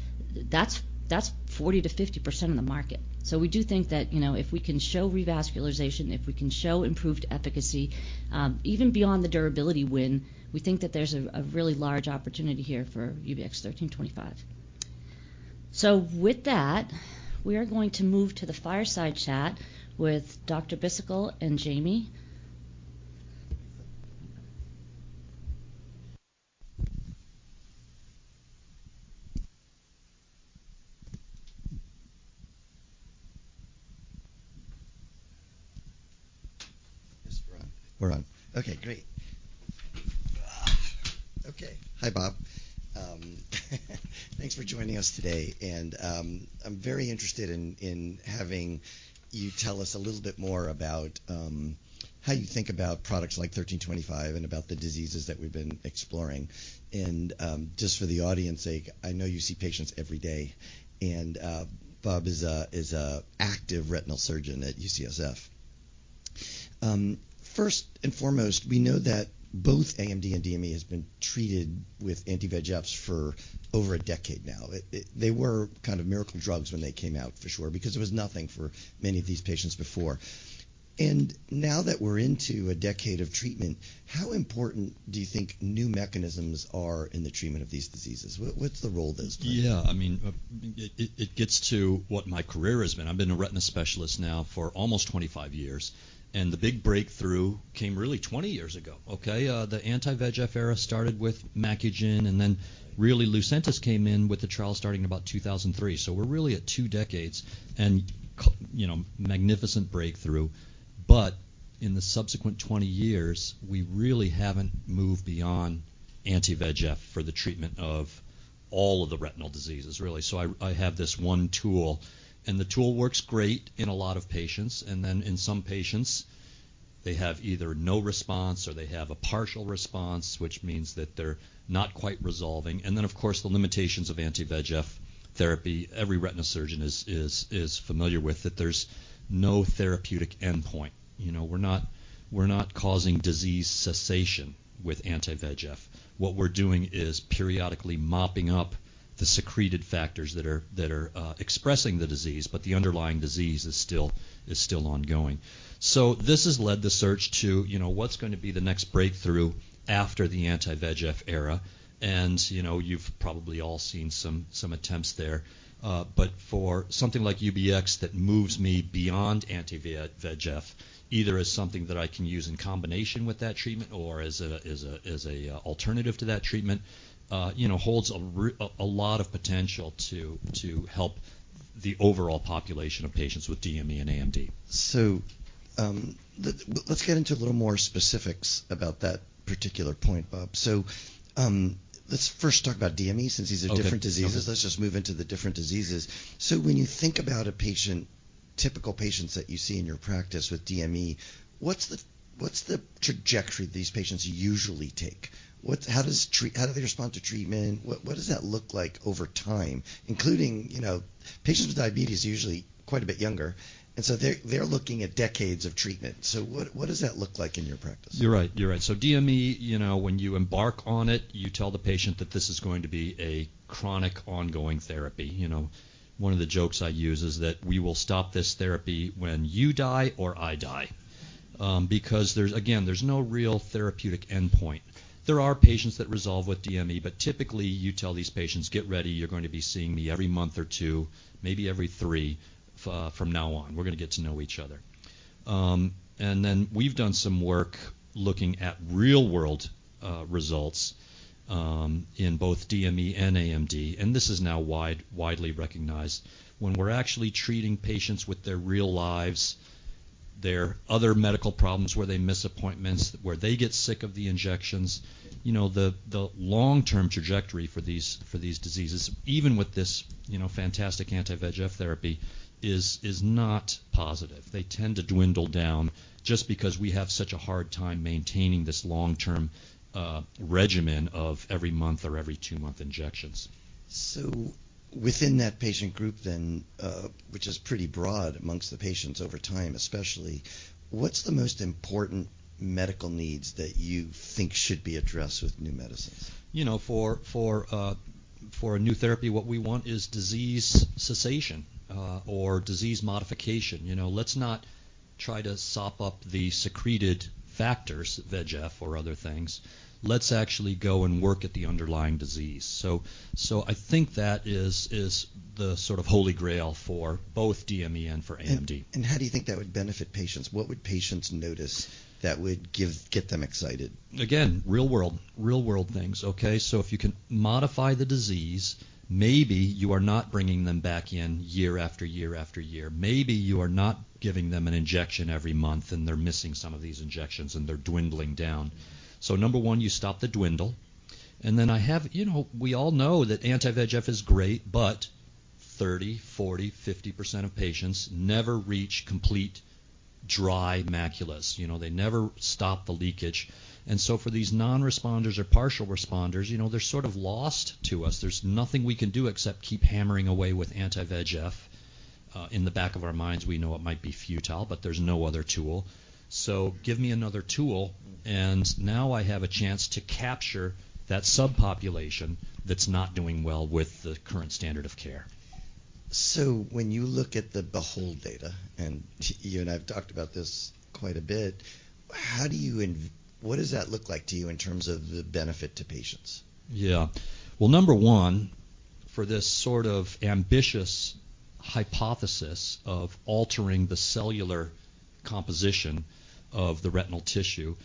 that's 40%-50% of the market. We do think that, you know, if we can show revascularization, if we can show improved efficacy, even beyond the durability win, we think that there's a really large opportunity here for UBX1325. With that, we are going to move to the fireside chat with Dr. Bhisitkul and Jamie. Yes, we're on. Okay, great. Okay. Hi, Bob. Thanks for joining us today. I'm very interested in having you tell us a little bit more about how you think about products like 1325 and about the diseases that we've been exploring. Just for the audience sake, I know you see patients every day and Bob is a active retinal surgeon at UCSF. First and foremost, we know that both AMD and DME has been treated with anti-VEGFs for over a decade now. They were kind of miracle drugs when they came out for sure, because there was nothing for many of these patients before. Now that we're into a decade of treatment, how important do you think new mechanisms are in the treatment of these diseases? What's the role of those drugs? Yeah. I mean, it gets to what my career has been. I've been a retina specialist now for almost 25 years. The big breakthrough came really 20 years ago. The anti-VEGF era started with Macugen, and then really Lucentis came in with the trial starting in about 2003. We're really at two decades, and you know, magnificent breakthrough. In the subsequent 20 years, we really haven't moved beyond anti-VEGF for the treatment of all of the retinal diseases, really. I have this one tool, and the tool works great in a lot of patients, and then in some patients, they have either no response or they have a partial response, which means that they're not quite resolving. Then, of course, the limitations of anti-VEGF therapy, every retina surgeon is familiar with, that there's no therapeutic endpoint. You know, we're not causing disease cessation with anti-VEGF. What we're doing is periodically mopping up the secreted factors that are expressing the disease, but the underlying disease is still ongoing. This has led the search to, you know, what's going to be the next breakthrough after the anti-VEGF era, and, you know, you've probably all seen some attempts there. For something like UBX that moves me beyond anti-VEGF, either as something that I can use in combination with that treatment or as a alternative to that treatment, you know, holds a lot of potential to help the overall population of patients with DME and AMD. Let's get into a little more specifics about that particular point, Bob. Let's first talk about DME since these are different diseases. Okay. Let's just move into the different diseases. When you think about a patient, typical patients that you see in your practice with DME, what's the trajectory these patients usually take? How do they respond to treatment? What does that look like over time? Including, you know, patients with diabetes are usually quite a bit younger, and so they're looking at decades of treatment. What does that look like in your practice? You're right. DME, you know, when you embark on it, you tell the patient that this is going to be a chronic ongoing therapy. You know, one of the jokes I use is that we will stop this therapy when you die or I die, because there's again no real therapeutic endpoint. There are patients that resolve with DME, but typically you tell these patients, "Get ready. You're going to be seeing me every month or two, maybe every three, from now on. We're gonna get to know each other." Then we've done some work looking at real world results in both DME and AMD, and this is now widely recognized. When we're actually treating patients with their real lives, their other medical problems where they miss appointments, where they get sick of the injections, you know, the long-term trajectory for these diseases, even with this, you know, fantastic anti-VEGF therapy, is not positive. They tend to dwindle down just because we have such a hard time maintaining this long-term regimen of every month or every two-month injections. Within that patient group then, which is pretty broad among the patients over time especially, what's the most important medical needs that you think should be addressed with new medicines? You know, for a new therapy, what we want is disease cessation, or disease modification. You know, let's not try to sop up the secreted factors, VEGF or other things. Let's actually go and work at the underlying disease. I think that is the sort of holy grail for both DME and for AMD. How do you think that would benefit patients? What would patients notice that would get them excited? Again, real world, real world things, okay? If you can modify the disease, maybe you are not bringing them back in year after year after year. Maybe you are not giving them an injection every month, and they're missing some of these injections, and they're dwindling down. Number one, you stop the dwindle. I have you know, we all know that anti-VEGF is great, but 30, 40, 50% of patients never reach complete dry maculas. You know, they never stop the leakage. For these non-responders or partial responders, you know, they're sort of lost to us. There's nothing we can do except keep hammering away with anti-VEGF. In the back of our minds, we know it might be futile, but there's no other tool. Give me another tool, and now I have a chance to capture that subpopulation that's not doing well with the current standard of care. When you look at the BEHOLD data, and you and I have talked about this quite a bit, what does that look like to you in terms of the benefit to patients? Yeah. Well, number one, for this sort of ambitious hypothesis of altering the cellular composition of the retinal tissue,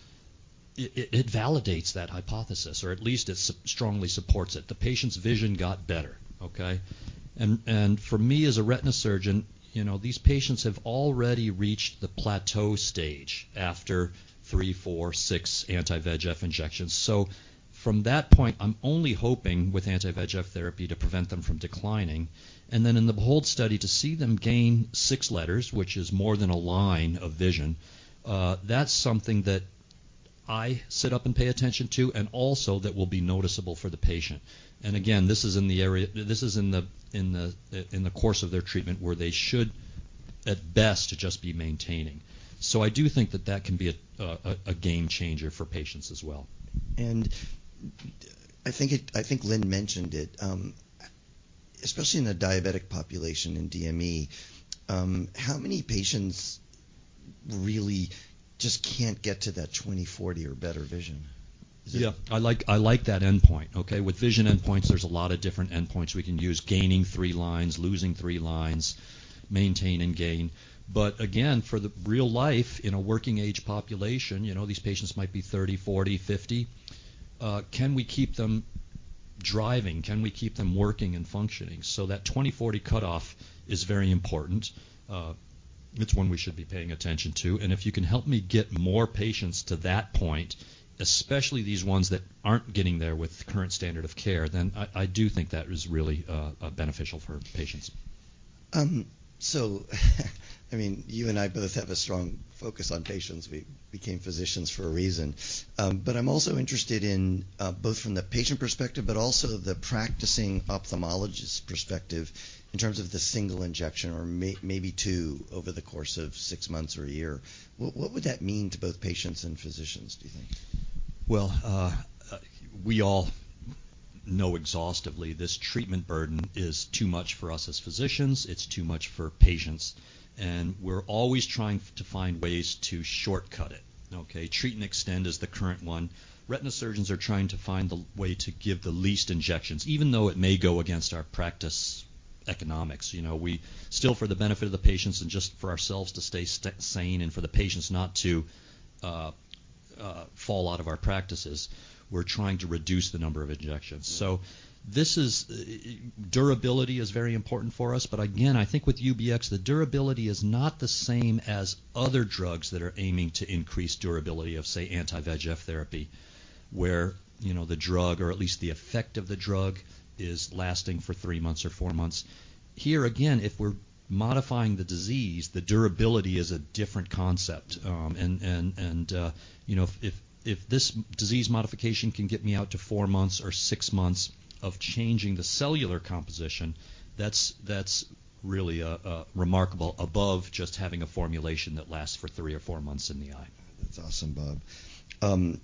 it validates that hypothesis or at least it strongly supports it. The patient's vision got better, okay? For me as a retina surgeon, you know, these patients have already reached the plateau stage after 3, 4, 6 anti-VEGF injections. From that point, I'm only hoping with anti-VEGF therapy to prevent them from declining. Then in the BEHOLD study, to see them gain six letters, which is more than a line of vision, that's something that I sit up and pay attention to and also that will be noticeable for the patient. Again, this is in the course of their treatment where they should, at best, just be maintaining. I do think that can be a game changer for patients as well. I think Lynne mentioned it, especially in the diabetic population in DME, how many patients really just can't get to that 20/40 or better vision? Yeah, I like that endpoint, okay? With vision endpoints, there's a lot of different endpoints we can use. Gaining three lines, losing three lines, maintain and gain. Again, for the real life in a working age population, you know, these patients might be 30, 40, 50, can we keep them driving? Can we keep them working and functioning? That 20/40 cutoff is very important. It's one we should be paying attention to. If you can help me get more patients to that point, especially these ones that aren't getting there with the current standard of care, then I do think that is really beneficial for patients. I mean, you and I both have a strong focus on patients. We became physicians for a reason. I'm also interested in both from the patient perspective, but also the practicing ophthalmologist perspective in terms of the single injection or maybe two over the course of six months or a year. What would that mean to both patients and physicians, do you think? Well, we all know exhaustively this treatment burden is too much for us as physicians. It's too much for patients, and we're always trying to find ways to shortcut it, okay? Treat and extend is the current one. Retina surgeons are trying to find the way to give the least injections, even though it may go against our practice economics. You know, still for the benefit of the patients and just for ourselves to stay sane and for the patients not to fall out of our practices, we are trying to reduce the number of injections. Mm. Durability is very important for us. Again, I think with UBX, the durability is not the same as other drugs that are aiming to increase durability of, say, anti-VEGF therapy, where, you know, the drug or at least the effect of the drug is lasting for three months or four months. Here again, if we're modifying the disease, the durability is a different concept. You know, if this disease modification can get me out to four months or six months of changing the cellular composition, that's really remarkable above just having a formulation that lasts for three or four months in the eye. That's awesome, Bob.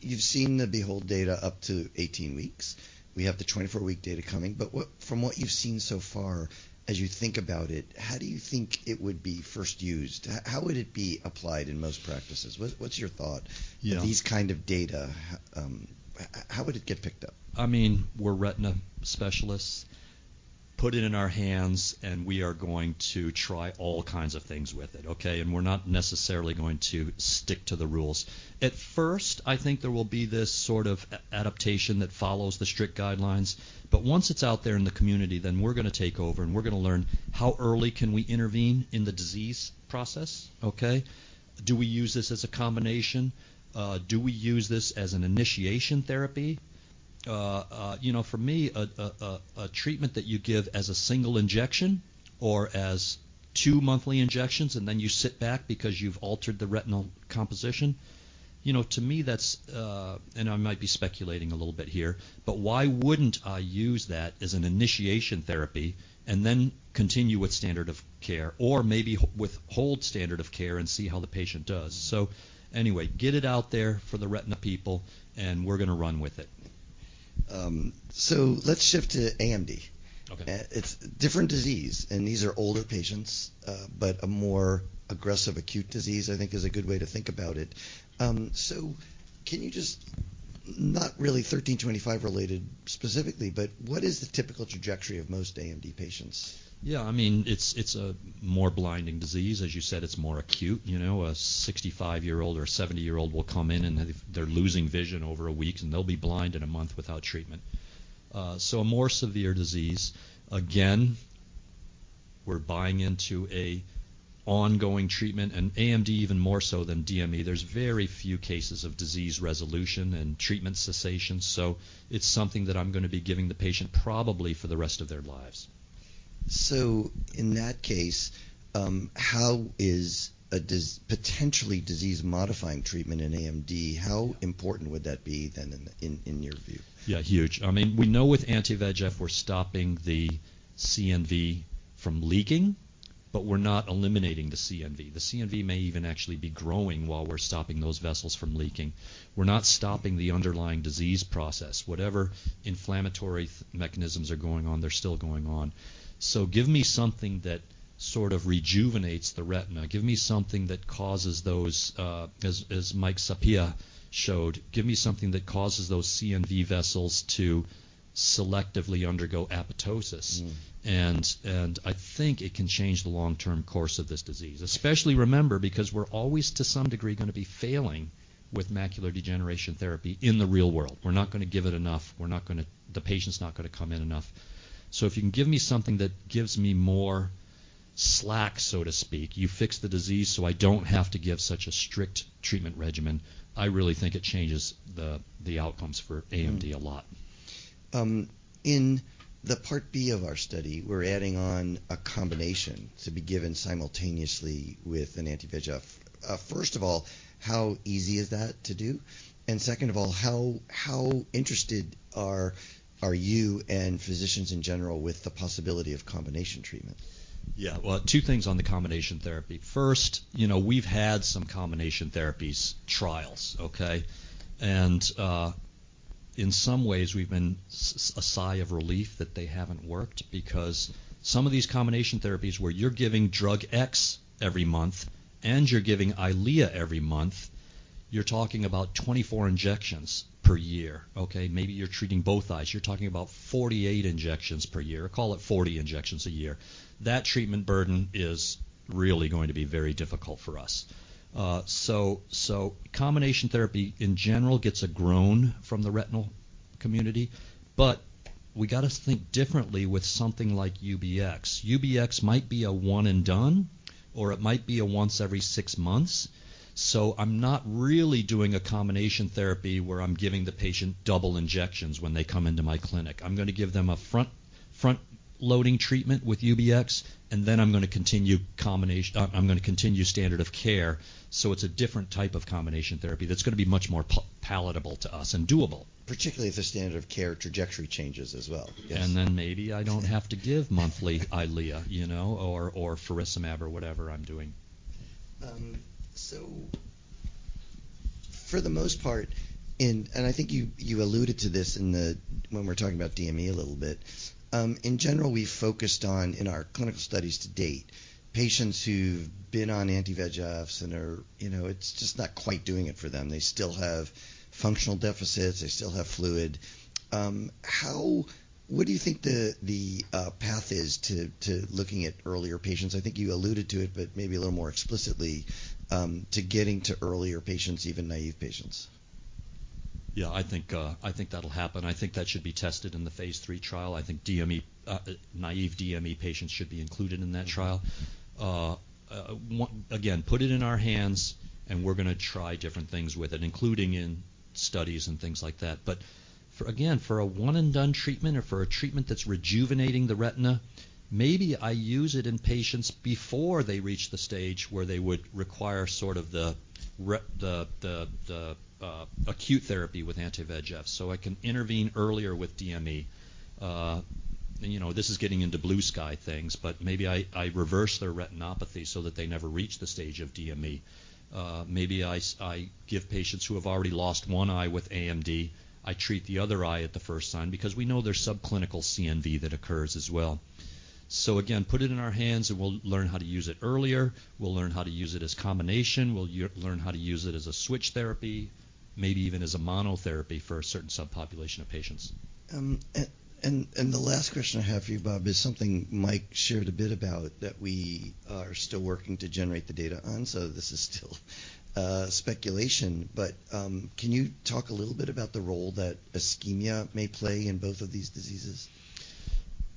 You've seen the BEHOLD data up to 18 weeks. We have the 24-week data coming. What from what you've seen so far, as you think about it, how do you think it would be first used? How would it be applied in most practices? What's your thought- Yeah With these kind of data, how would it get picked up? I mean, we're retina specialists. Put it in our hands, and we are going to try all kinds of things with it, okay? We're not necessarily going to stick to the rules. At first, I think there will be this sort of adaptation that follows the strict guidelines. Once it's out there in the community, then we're gonna take over, and we're gonna learn how early can we intervene in the disease process, okay? Do we use this as a combination? Do we use this as an initiation therapy? You know, for me, a treatment that you give as a single injection or as two monthly injections and then you sit back because you've altered the retinal composition, you know, to me that's. I might be speculating a little bit here, but why wouldn't I use that as an initiation therapy and then continue with standard of care or maybe withhold standard of care and see how the patient does? Anyway, get it out there for the retina people, and we're gonna run with it. Let's shift to AMD. Okay. It's different disease, and these are older patients, but a more aggressive acute disease, I think is a good way to think about it. Not really 1325 related specifically, but what is the typical trajectory of most AMD patients? Yeah. I mean, it's a more blinding disease. As you said, it's more acute. You know, a 65-year-old or 70-year-old will come in, and they're losing vision over a week, and they'll be blind in a month without treatment. So a more severe disease. Again, we're buying into a ongoing treatment and AMD even more so than DME. There's very few cases of disease resolution and treatment cessation, so it's something that I'm gonna be giving the patient probably for the rest of their lives. In that case, how is a potentially disease-modifying treatment in AMD, how important would that be then in your view? Yeah, huge. I mean, we know with anti-VEGF, we're stopping the CNV from leaking, but we're not eliminating the CNV. The CNV may even actually be growing while we're stopping those vessels from leaking. We're not stopping the underlying disease process. Whatever inflammatory mechanisms are going on, they're still going on. Give me something that sort of rejuvenates the retina. Give me something that causes those, as Przemyslaw Sapieha showed, give me something that causes those CNV vessels to selectively undergo apoptosis. Mm. I think it can change the long-term course of this disease. Especially, remember, because we're always to some degree gonna be failing with macular degeneration therapy in the real world. We're not gonna give it enough. The patient's not gonna come in enough. If you can give me something that gives me more slack, so to speak, you fix the disease so I don't have to give such a strict treatment regimen, I really think it changes the outcomes for AMD a lot. In the Part B of our study, we're adding on a combination to be given simultaneously with an anti-VEGF. First of all, how easy is that to do? Second of all, how interested are you and physicians in general with the possibility of combination treatment? Yeah. Well, two things on the combination therapy. First, you know, we've had some combination therapy trials, okay? In some ways, we've been a sigh of relief that they haven't worked because some of these combination therapies where you're giving drug X every month and you're giving Eylea every month, you're talking about 24 injections per year, okay? Maybe you're treating both eyes. You're talking about 48 injections per year. Call it 40 injections a year. That treatment burden is really going to be very difficult for us. So combination therapy, in general, gets a groan from the retinal community, but we gotta think differently with something like UBX. UBX might be a one and done, or it might be a once every six months. So I'm not really doing a combination therapy where I'm giving the patient double injections when they come into my clinic. I'm gonna give them a front-loading treatment with UBX, and then I'm gonna continue standard of care, so it's a different type of combination therapy that's gonna be much more palatable to us and doable. Particularly if the standard of care trajectory changes as well. Yes. Maybe I don't have to give monthly Eylea, you know, or faricimab or whatever I'm doing. For the most part, I think you alluded to this when we were talking about DME a little bit. In general, we focused on in our clinical studies to date patients who've been on anti-VEGFs and are, you know, it's just not quite doing it for them. They still have functional deficits. They still have fluid. What do you think the path is to looking at earlier patients? I think you alluded to it, but maybe a little more explicitly to getting to earlier patients, even naive patients. Yeah. I think that'll happen. I think that should be tested in the phase 3 trial. I think DME naive DME patients should be included in that trial. Again, put it in our hands, and we're gonna try different things with it, including in studies and things like that. For, again, for a one and done treatment or for a treatment that's rejuvenating the retina, maybe I use it in patients before they reach the stage where they would require sort of the acute therapy with anti-VEGF. I can intervene earlier with DME. You know, this is getting into blue sky things, but maybe I reverse their retinopathy so that they never reach the stage of DME. Maybe I give patients who have already lost one eye with AMD, I treat the other eye at the first sign because we know there's subclinical CNV that occurs as well. Again, put it in our hands, and we'll learn how to use it earlier. We'll learn how to use it as combination. We'll learn how to use it as a switch therapy, maybe even as a monotherapy for a certain subpopulation of patients. The last question I have for you, Bob, is something Mike shared a bit about that we are still working to generate the data on, so this is still speculation. Can you talk a little bit about the role that ischemia may play in both of these diseases?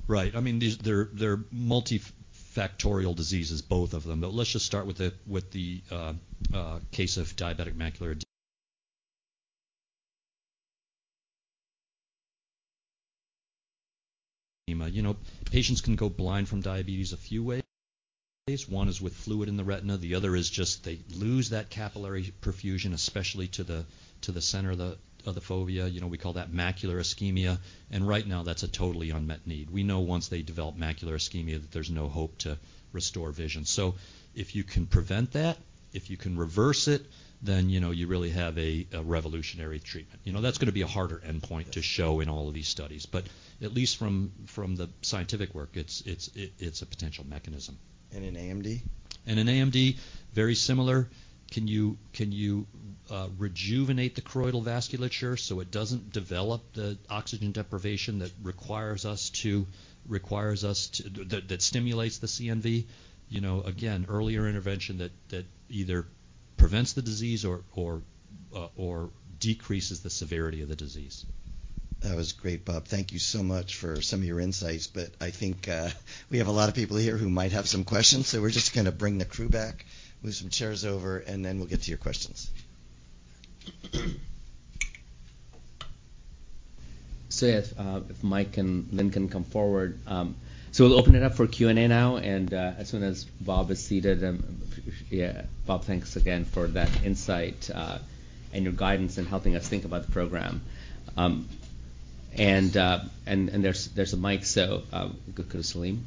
Right. I mean, these. They're multifactorial diseases, both of them. Let's just start with the case of diabetic macular ischemia. You know, patients can go blind from diabetes a few ways. One is with fluid in the retina. The other is just they lose that capillary perfusion, especially to the center of the fovea. You know, we call that macular ischemia, and right now that's a totally unmet need. We know once they develop macular ischemia that there's no hope to restore vision. If you can prevent that, if you can reverse it, then you know you really have a revolutionary treatment. You know, that's gonna be a harder endpoint to show in all of these studies. At least from the scientific work, it's a potential mechanism. In AMD? In AMD, very similar. Can you rejuvenate the choroidal vasculature so it doesn't develop the oxygen deprivation that stimulates the CNV? Again, earlier intervention that either prevents the disease or decreases the severity of the disease. That was great, Bob. Thank you so much for some of your insights. I think we have a lot of people here who might have some questions, so we're just gonna bring the crew back, move some chairs over, and then we'll get to your questions. If Mike and Lynne can come forward. We'll open it up for Q&A now and as soon as Bob is seated. Bob, thanks again for that insight and your guidance in helping us think about the program. There's a mic, so we could go to Salim.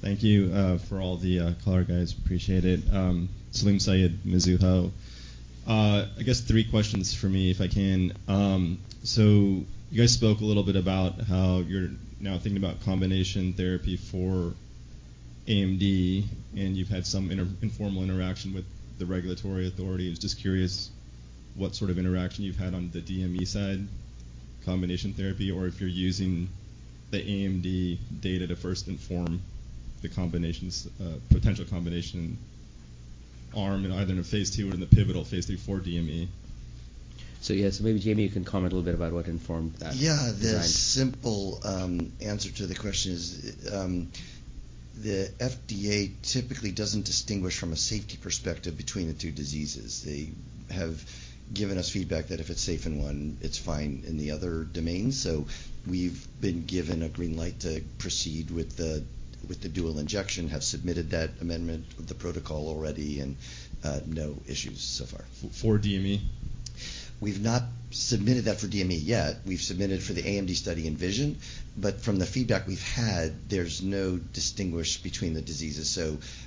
Thank you for all the color, guys. Appreciate it. Salim Syed, Mizuho. I guess three questions for me, if I can. You guys spoke a little bit about how you're now thinking about combination therapy for AMD, and you've had some informal interaction with the regulatory authorities. Just curious what sort of interaction you've had on the DME side combination therapy, or if you're using the AMD data to first inform the combinations, potential combination arm in either a phase two or in the pivotal phase three for DME. Yeah. Maybe, Jamie, you can comment a little bit about what informed that design. Yeah. The simple answer to the question is, the FDA typically doesn't distinguish from a safety perspective between the two diseases. They have given us feedback that if it's safe in one, it's fine in the other domain. We've been given a green light to proceed with the dual injection, have submitted that amendment of the protocol already, and no issues so far. For DME? We've not submitted that for DME yet. We've submitted for the AMD study, ENVISION. From the feedback we've had, there's no distinction between the diseases.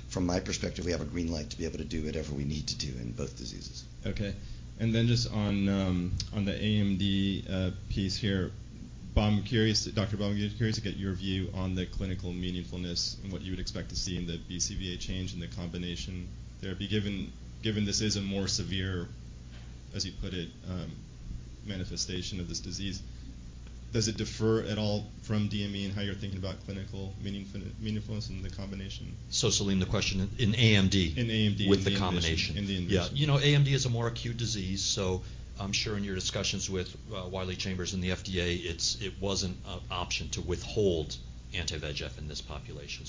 From my perspective, we have a green light to be able to do whatever we need to do in both diseases. Okay. Just on the AMD piece here. Dr. Bhisitkul, I'm curious to get your view on the clinical meaningfulness and what you would expect to see in the BCVA change in the combination therapy, given this is a more severe, as you put it, manifestation of this disease. Does it differ at all from DME in how you're thinking about clinical meaningfulness in the combination? Salim, the question in AMD In AMD. with the combination. In the ENVISION. Yeah. You know, AMD is a more acute disease, so I'm sure in your discussions with Wiley Chambers and the FDA, it wasn't an option to withhold anti-VEGF in this population.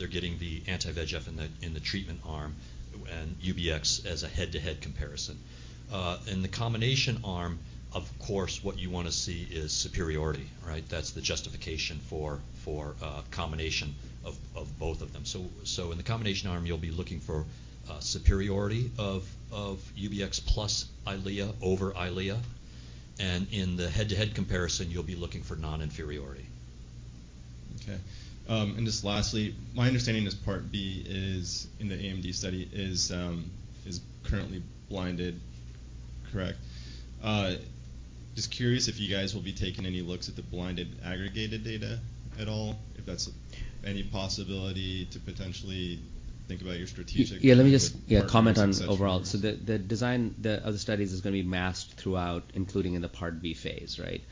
They're getting the anti-VEGF in the treatment arm and UBX as a head-to-head comparison. In the combination arm, of course, what you wanna see is superiority, right? That's the justification for combination of both of them. In the combination arm, you'll be looking for superiority of UBX plus Eylea over Eylea. In the head-to-head comparison, you'll be looking for non-inferiority. Okay. Just lastly, my understanding is Part B is in the AMD study is currently blinded, correct? Just curious if you guys will be taking any looks at the blinded aggregated data at all, if that's any possibility to potentially think about your strategic. Yeah. part for the success Yeah, comment on overall. The design, the other studies is gonna be masked throughout, including in the Part B phase, right?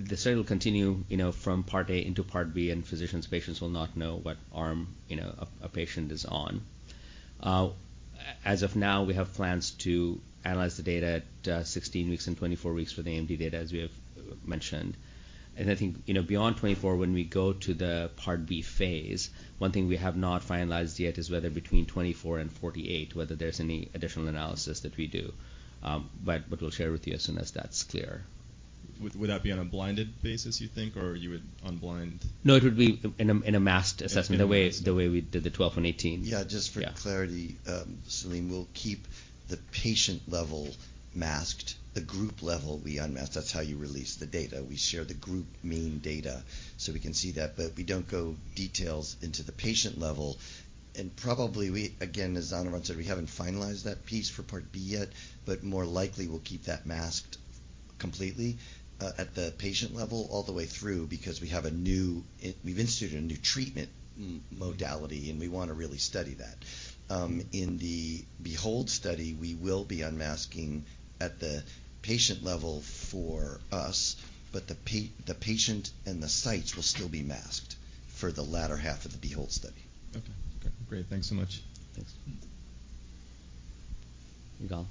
The study will continue, you know, from Part A into Part B, and physicians, patients will not know what arm, you know, a patient is on. As of now, we have plans to analyze the data at 16 weeks and 24 weeks for the AMD data as we have mentioned. I think, you know, beyond 24, when we go to the Part B phase, one thing we have not finalized yet is whether between 24 and 48 there's any additional analysis that we do. We'll share with you as soon as that's clear. Would that be on a blinded basis, you think? Or you would unblind? No, it would be in a masked assessment the way- In a masked the way we did the 12 and 18. Yeah, just for Yeah For clarity, Salim, we'll keep the patient level masked. The group level, we unmask. That's how you release the data. We share the group mean data, so we can see that. But we don't go details into the patient level. Probably we, again, as Anirvan said, we haven't finalized that piece for Part B yet, but more likely we'll keep that masked completely, at the patient level all the way through because we have a new—we've instituted a new treatment modality, and we wanna really study that. In the BEHOLD study, we will be unmasking at the patient level for us, but the patient and the sites will still be masked for the latter half of the BEHOLD study. Okay. Okay, great. Thanks so much. Thanks, Yigal.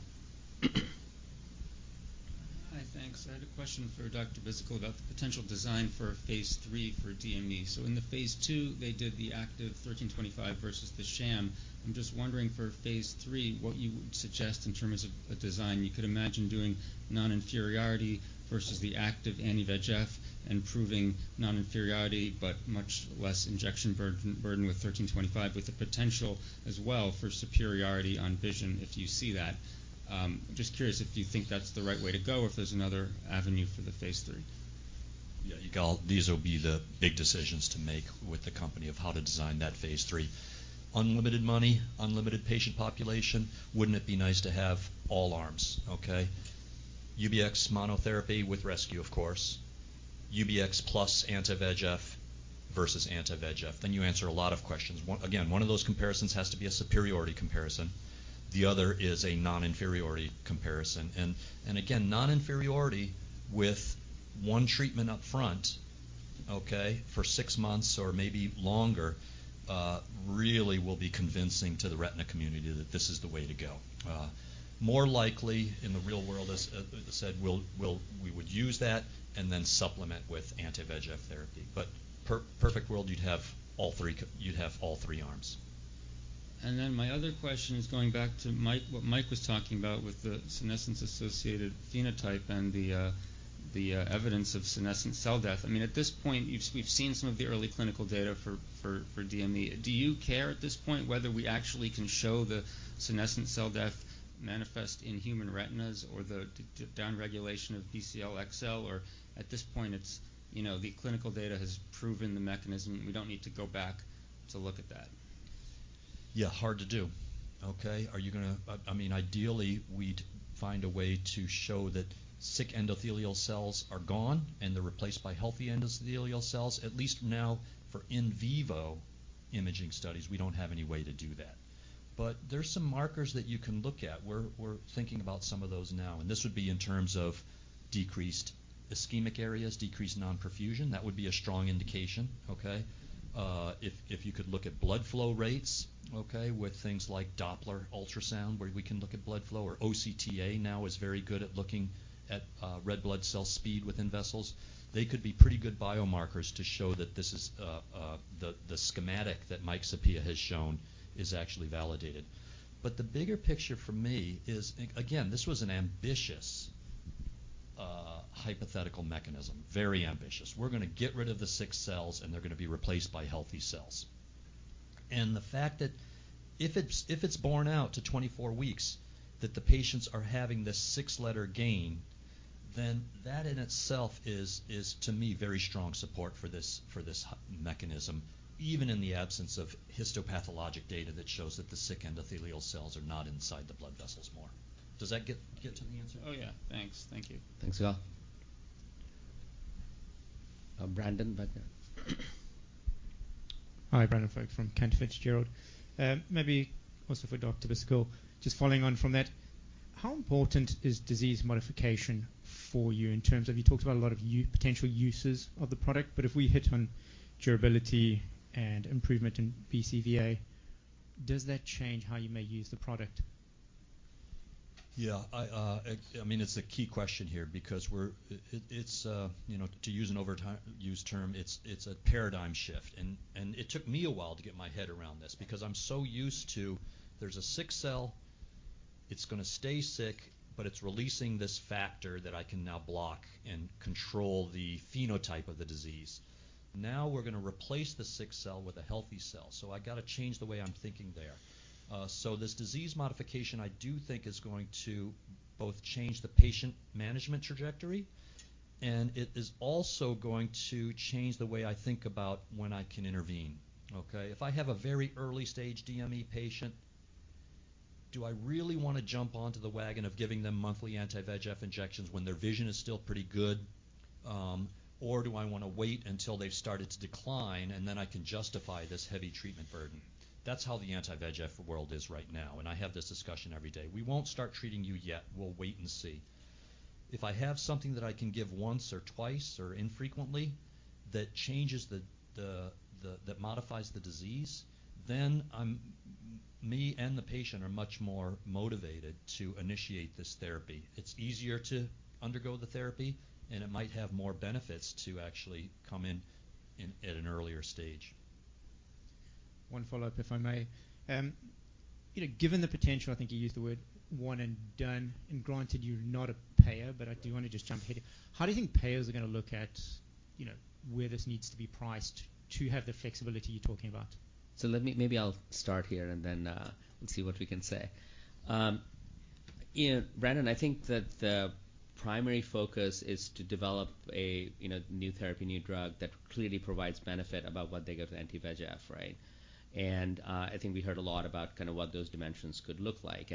Hi. Thanks. I had a question for Dr. Bhisitkul about the potential design for phase three for DME. In the phase two, they did the active 1325 versus the sham. I'm just wondering for phase three, what you would suggest in terms of a design. You could imagine doing non-inferiority versus the active anti-VEGF and proving non-inferiority, but much less injection burden with 1325, with the potential as well for superiority on vision if you see that. Just curious if you think that's the right way to go, if there's another avenue for the phase three. Yeah, Yigal, these will be the big decisions to make with the company of how to design that phase 3. Unlimited money, unlimited patient population, wouldn't it be nice to have all arms, okay? UBX monotherapy with rescue, of course. UBX plus anti-VEGF versus anti-VEGF. You answer a lot of questions. One of those comparisons has to be a superiority comparison, the other is a non-inferiority comparison. Again, non-inferiority with one treatment up front, okay, for six months or maybe longer, really will be convincing to the retina community that this is the way to go. More likely in the real world, as said, we would use that and then supplement with anti-VEGF therapy. Perfect world, you'd have all three arms. My other question is going back to Mike, what Mike was talking about with the senescence-associated phenotype and the evidence of senescent cell death. I mean, at this point, we've seen some of the early clinical data for DME. Do you care at this point whether we actually can show the senescent cell death manifest in human retinas or the downregulation of BCL-xL? Or at this point it's, you know, the clinical data has proven the mechanism, we don't need to go back to look at that. Yeah, hard to do. Okay. I mean, ideally, we'd find a way to show that sick endothelial cells are gone and they're replaced by healthy endothelial cells. At least now for in vivo imaging studies, we don't have any way to do that. There's some markers that you can look at. We're thinking about some of those now, and this would be in terms of decreased ischemic areas, decreased non-perfusion. That would be a strong indication, okay? If you could look at blood flow rates, okay, with things like Doppler ultrasound, where we can look at blood flow, or OCTA now is very good at looking at red blood cell speed within vessels. They could be pretty good biomarkers to show that this is the schematic that Mike Sapega L has shown is actually validated. The bigger picture for me is, again, this was an ambitious hypothetical mechanism, very ambitious. We're gonna get rid of the sick cells, and they're gonna be replaced by healthy cells. The fact that if it's borne out to 24 weeks that the patients are having this six-letter gain, then that in itself is to me, very strong support for this mechanism, even in the absence of histopathologic data that shows that the sick endothelial cells are not inside the blood vessels more. Does that get to the answer? Oh, yeah. Thanks. Thank you. Thanks, Yigal. Brandon Wagner. Hi, Brandon Folkes from Cantor Fitzgerald. Maybe also for Dr. Bhisitkul. Just following on from that, how important is disease modification for you in terms of. You talked about a lot of potential uses of the product, but if we hit on durability and improvement in BCVA, does that change how you may use the product? Yeah. I mean, it's a key question here because it's, you know, to use an overused term, it's a paradigm shift. It took me a while to get my head around this because I'm so used to there's a sick cell, it's gonna stay sick, but it's releasing this factor that I can now block and control the phenotype of the disease. Now we're gonna replace the sick cell with a healthy cell, so I gotta change the way I'm thinking there. This disease modification I do think is going to both change the patient management trajectory, and it is also going to change the way I think about when I can intervene. Okay. If I have a very early-stage DME patient, do I really wanna jump onto the wagon of giving them monthly anti-VEGF injections when their vision is still pretty good, or do I wanna wait until they've started to decline, and then I can justify this heavy treatment burden? That's how the anti-VEGF world is right now, and I have this discussion every day. We won't start treating you yet. We'll wait and see. If I have something that I can give once or twice or infrequently that modifies the disease, then me and the patient are much more motivated to initiate this therapy. It's easier to undergo the therapy, and it might have more benefits to actually come in at an earlier stage. One follow-up, if I may. You know, given the potential, I think you used the word one and done, and granted you're not a payer, but I do wanna just jump ahead. How do you think payers are gonna look at, you know, where this needs to be priced to have the flexibility you're talking about? I'll start here, and then we'll see what we can say. You know, Brandon, I think that the primary focus is to develop a, you know, new therapy, new drug that clearly provides benefit above what they give with anti-VEGF, right? I think we heard a lot about kinda what those dimensions could look like.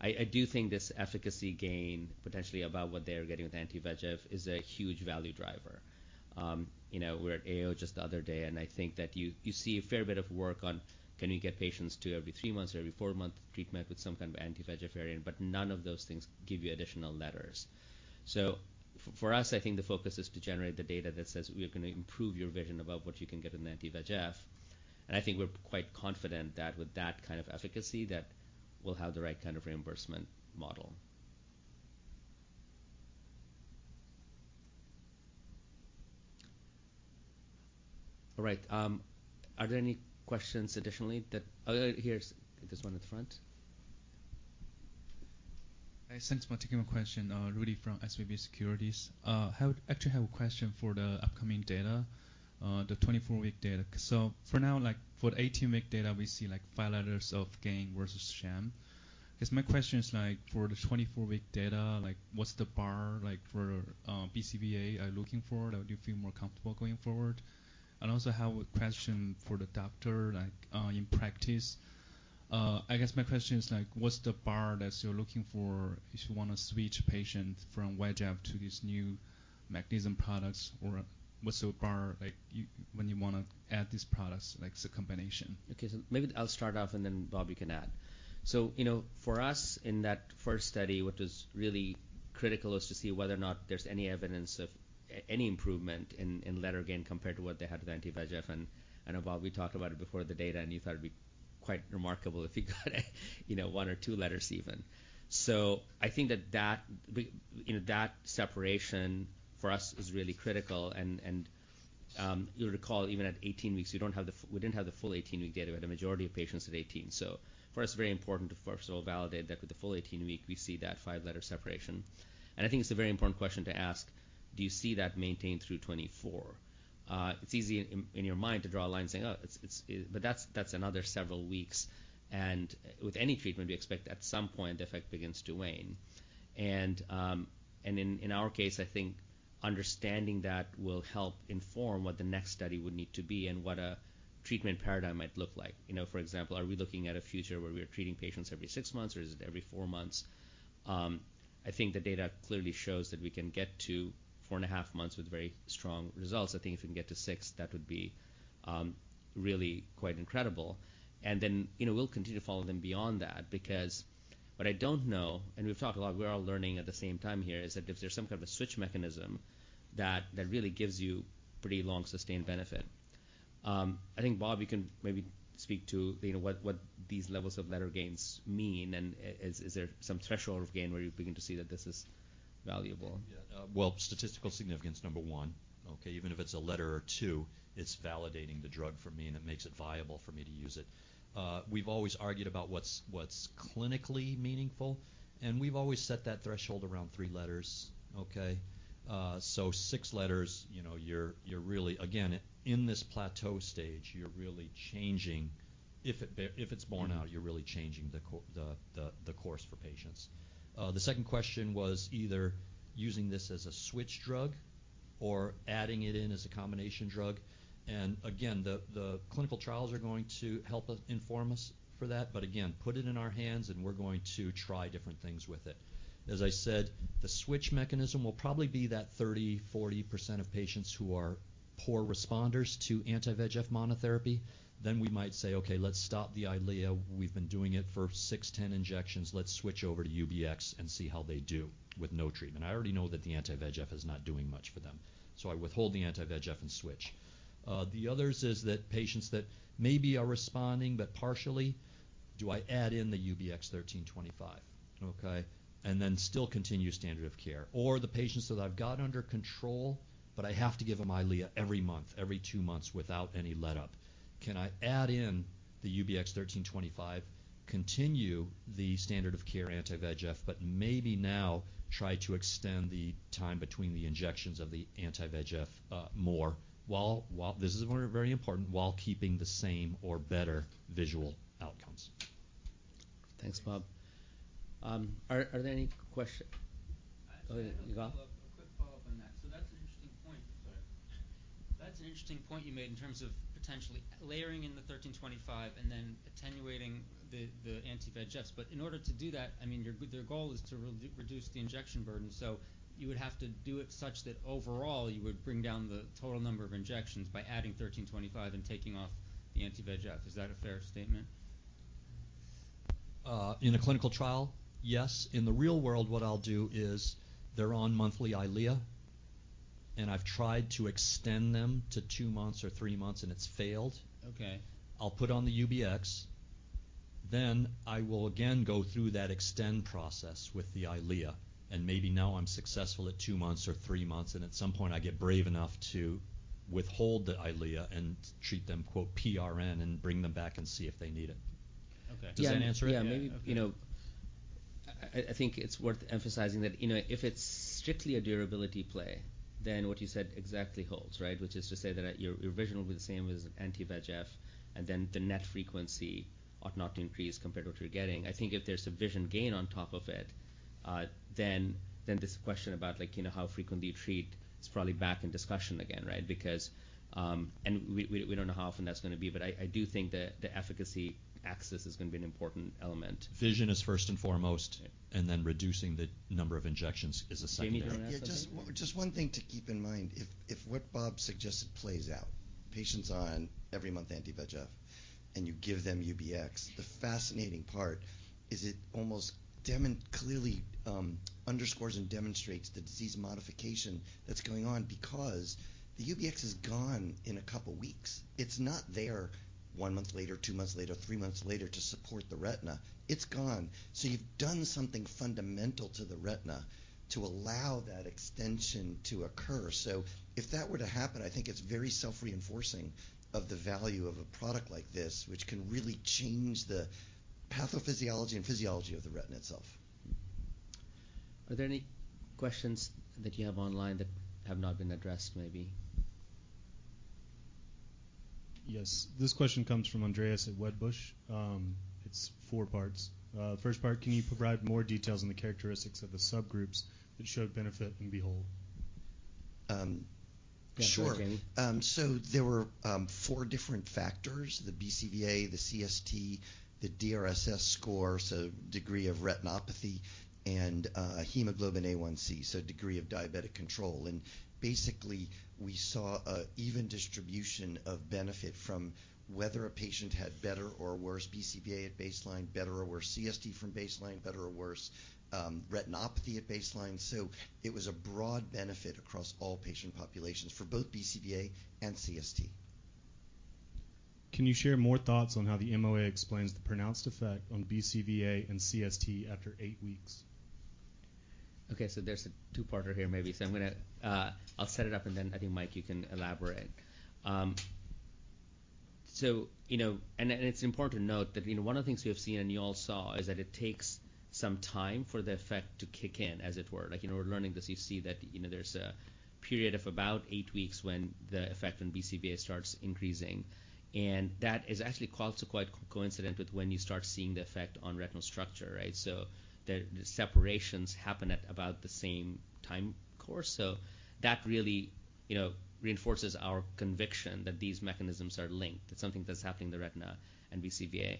I do think this efficacy gain, potentially above what they are getting with anti-VEGF, is a huge value driver. You know, we were at AAO just the other day, and I think that you see a fair bit of work on can you get patients to every three months or every four-month treatment with some kind of anti-VEGF variant, but none of those things give you additional letters. For us, I think the focus is to generate the data that says we are gonna improve your vision above what you can get in anti-VEGF. I think we're quite confident that with that kind of efficacy, that we'll have the right kind of reimbursement model. All right. Are there any questions additionally? There's one at the front. Hi. Thanks for taking my question. Rudy from SVB Securities. I actually have a question for the upcoming data, the 24-week data. For now, like for the 18-week data, we see like five letters of gain versus sham. I guess my question is like for the 24-week data, like what's the bar like for BCVA are you looking for or do you feel more comfortable going forward? I also have a question for the doctor, like in practice. I guess my question is like what's the bar that you're looking for if you wanna switch patient from VEGF to this new mechanism products? Or what's the bar like when you wanna add these products, like as a combination? Okay. Maybe I'll start off and then Bob you can add. You know, for us in that first study, what was really critical is to see whether or not there's any evidence of any improvement in letter gain compared to what they had with anti-VEGF. I know, Bob, we talked about it before the data, and you thought it'd be quite remarkable if you got a, you know, one or two letters even. I think that we, you know, that separation for us is really critical and you'll recall even at 18 weeks we don't have the we didn't have the full 18-week data. We had the majority of patients at 18. For us, it's very important to first of all validate that with the full 18-week we see that 5-letter separation. I think it's a very important question to ask, do you see that maintained through 2024? It's easy in your mind to draw a line saying, "Oh, it's." That's another several weeks. With any treatment we expect at some point the effect begins to wane. In our case, I think understanding that will help inform what the next study would need to be and what a treatment paradigm might look like. You know, for example, are we looking at a future where we are treating patients every six months or is it every four months? I think the data clearly shows that we can get to four and a half months with very strong results. I think if we can get to six, that would be really quite incredible. You know, we'll continue to follow them beyond that because what I don't know, and we've talked a lot, we're all learning at the same time here, is that if there's some kind of a switch mechanism that really gives you pretty long, sustained benefit. I think, Bob, you can maybe speak to, you know, what these levels of letter gains mean and is there some threshold of gain where you begin to see that this is valuable? Well, statistical significance, number one. Okay? Even if it's a letter or two, it's validating the drug for me, and it makes it viable for me to use it. We've always argued about what's clinically meaningful, and we've always set that threshold around three letters. Okay? So six letters, you know, you're really again, in this plateau stage, you're really changing, if it's borne out. Mm-hmm You're really changing the course for patients. The second question was either using this as a switch drug or adding it in as a combination drug. The clinical trials are going to help us inform us for that. Again, put it in our hands, and we're going to try different things with it. As I said. The switch mechanism will probably be that 30%-40% of patients who are poor responders to anti-VEGF monotherapy. Then we might say, "Okay, let's stop the Eylea. We've been doing it for six, 10 injections. Let's switch over to UBX and see how they do with no treatment." I already know that the anti-VEGF is not doing much for them, so I withhold the anti-VEGF and switch. The others is that patients that maybe are responding, but partially, do I add in the UBX1325, okay? Then still continue standard of care. The patients that I've got under control, but I have to give them Eylea every month, every two months without any letup. Can I add in the UBX1325, continue the standard of care anti-VEGF, but maybe now try to extend the time between the injections of the anti-VEGF, more while. This is very important, while keeping the same or better visual outcomes. Thanks, Bob. Are there any questions? Go ahead, Vivek. I just have a quick follow-up on that. That's an interesting point. Sorry. That's an interesting point you made in terms of potentially layering in the 1325 and then attenuating the anti-VEGFs. But in order to do that, I mean, your goal is to reduce the injection burden, so you would have to do it such that overall you would bring down the total number of injections by adding 1325 and taking off the anti-VEGF. Is that a fair statement? In a clinical trial, yes. In the real world, what I'll do is they're on monthly Eylea, and I've tried to extend them to two months or three months, and it's failed. Okay. I'll put on the UBX, then I will again go through that treat-and-extend process with the Eylea, and maybe now I'm successful at two months or three months, and at some point I get brave enough to withhold the Eylea and treat them quote PRN and bring them back and see if they need it. Okay. Does that answer it? Yeah. Okay. You know, I think it's worth emphasizing that, you know, if it's strictly a durability play, then what you said exactly holds, right? Which is to say that your vision will be the same as anti-VEGF, and then the net frequency ought not to increase compared to what you're getting. I think if there's a vision gain on top of it, then this question about like, you know, how frequently you treat is probably back in discussion again, right? Because we don't know how often that's gonna be, but I do think the efficacy axis is gonna be an important element. Vision is first and foremost. Yeah. Reducing the number of injections is a secondary. Jamie, do you want to add something? Yeah, just one thing to keep in mind. If what Bob suggested plays out, patients on every month anti-VEGF, and you give them UBX, the fascinating part is it clearly underscores and demonstrates the disease modification that's going on because the UBX is gone in a couple of weeks. It's not there one month later, two months later, three months later to support the retina. It's gone. You've done something fundamental to the retina to allow that extension to occur. If that were to happen, I think it's very self-reinforcing of the value of a product like this, which can really change the pathophysiology and physiology of the retina itself. Are there any questions that you have online that have not been addressed maybe? Yes. This question comes from Andreas at Wedbush. It's four parts. The first part, can you provide more details on the characteristics of the subgroups that showed benefit in BEHOLD? Sure. Go for it, Jamie. There were four different factors, the BCVA, the CST, the DRSS score, so degree of retinopathy, and hemoglobin A1C, so degree of diabetic control. Basically, we saw an even distribution of benefit from whether a patient had better or worse BCVA at baseline, better or worse CST from baseline, better or worse retinopathy at baseline. It was a broad benefit across all patient populations for both BCVA and CST. Can you share more thoughts on how the MOA explains the pronounced effect on BCVA and CST after 8 weeks? Okay. There's a two-parter here maybe. I'm gonna, I'll set it up, and then I think, Mike, you can elaborate. You know, it's important to note that, you know, one of the things we have seen and you all saw is that it takes some time for the effect to kick in, as it were. Like, you know, we're learning this, you see that, you know, there's a period of about three weeks when the effect on BCVA starts increasing. That is actually also quite coincident with when you start seeing the effect on retinal structure, right? The separations happen at about the same time course. That really, you know, reinforces our conviction that these mechanisms are linked. It's something that's happening in the retina and BCVA.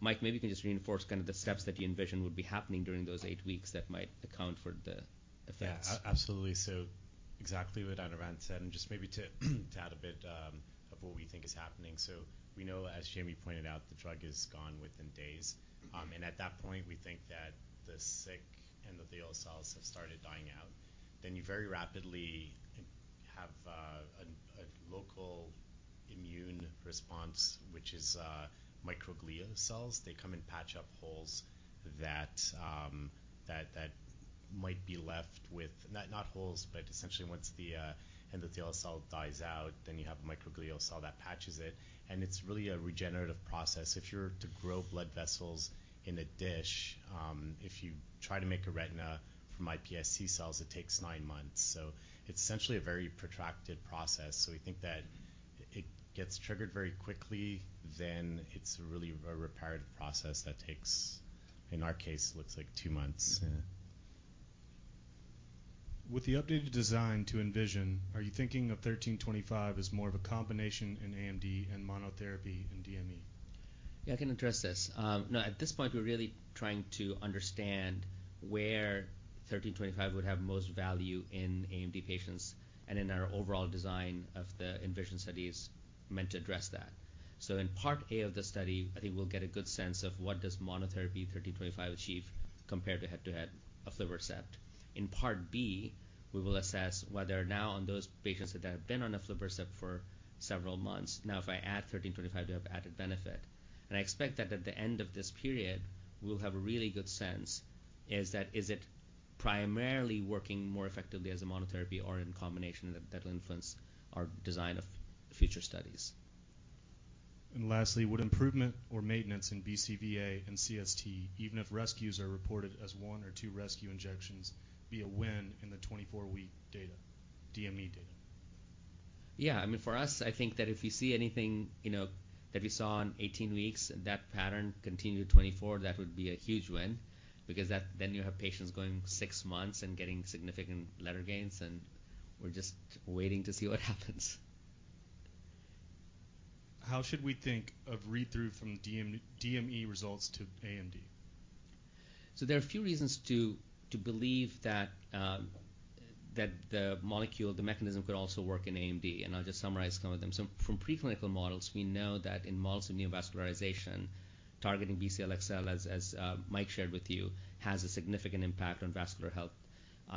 Mike, maybe you can just reinforce kind of the steps that you envision would be happening during those 8 weeks that might account for the effects. Yeah. Absolutely. Exactly what Anirvan said, and just maybe to add a bit of what we think is happening. We know, as Jamie pointed out, the drug is gone within days. At that point, we think that the sick endothelial cells have started dying out. You very rapidly have a local immune response, which is microglia cells. They come and patch up holes that might be left with. Not holes, but essentially once the endothelial cell dies out, you have a microglial cell that patches it, and it's really a regenerative process. If you're to grow blood vessels in a dish, if you try to make a retina from iPSC cells, it takes nine months. It's essentially a very protracted process. We think that it gets triggered very quickly, then it's really a reparative process that takes, in our case, looks like two months. Yeah. With the updated design to ENVISION, are you thinking of UBX1325 as more of a combination in AMD and monotherapy in DME? Yeah, I can address this. No, at this point, we're really trying to understand where 1325 would have most value in AMD patients and in our overall design of the ENVISION study is meant to address that. In part A of the study, I think we'll get a good sense of what does monotherapy 1325 achieve compared to head-to-head of aflibercept. In part B, we will assess whether now on those patients that have been on aflibercept for several months, now if I add 1325, do I have added benefit? I expect that at the end of this period, we'll have a really good sense is that is it primarily working more effectively as a monotherapy or in combination that will influence our design of future studies. Lastly, would improvement or maintenance in BCVA and CST, even if rescues are reported as one or two rescue injections, be a win in the 24-week data, DME data? Yeah. I mean, for us, I think that if you see anything, you know, that we saw in 18 weeks and that pattern continued 24, that would be a huge win because that, then you have patients going six months and getting significant letter gains, and we're just waiting to see what happens. How should we think of read-through from DME results to AMD? There are a few reasons to believe that the molecule, the mechanism could also work in AMD, and I'll just summarize some of them. From preclinical models, we know that in models of neovascularization, targeting BCL-xL, as Mike shared with you, has a significant impact on vascular health,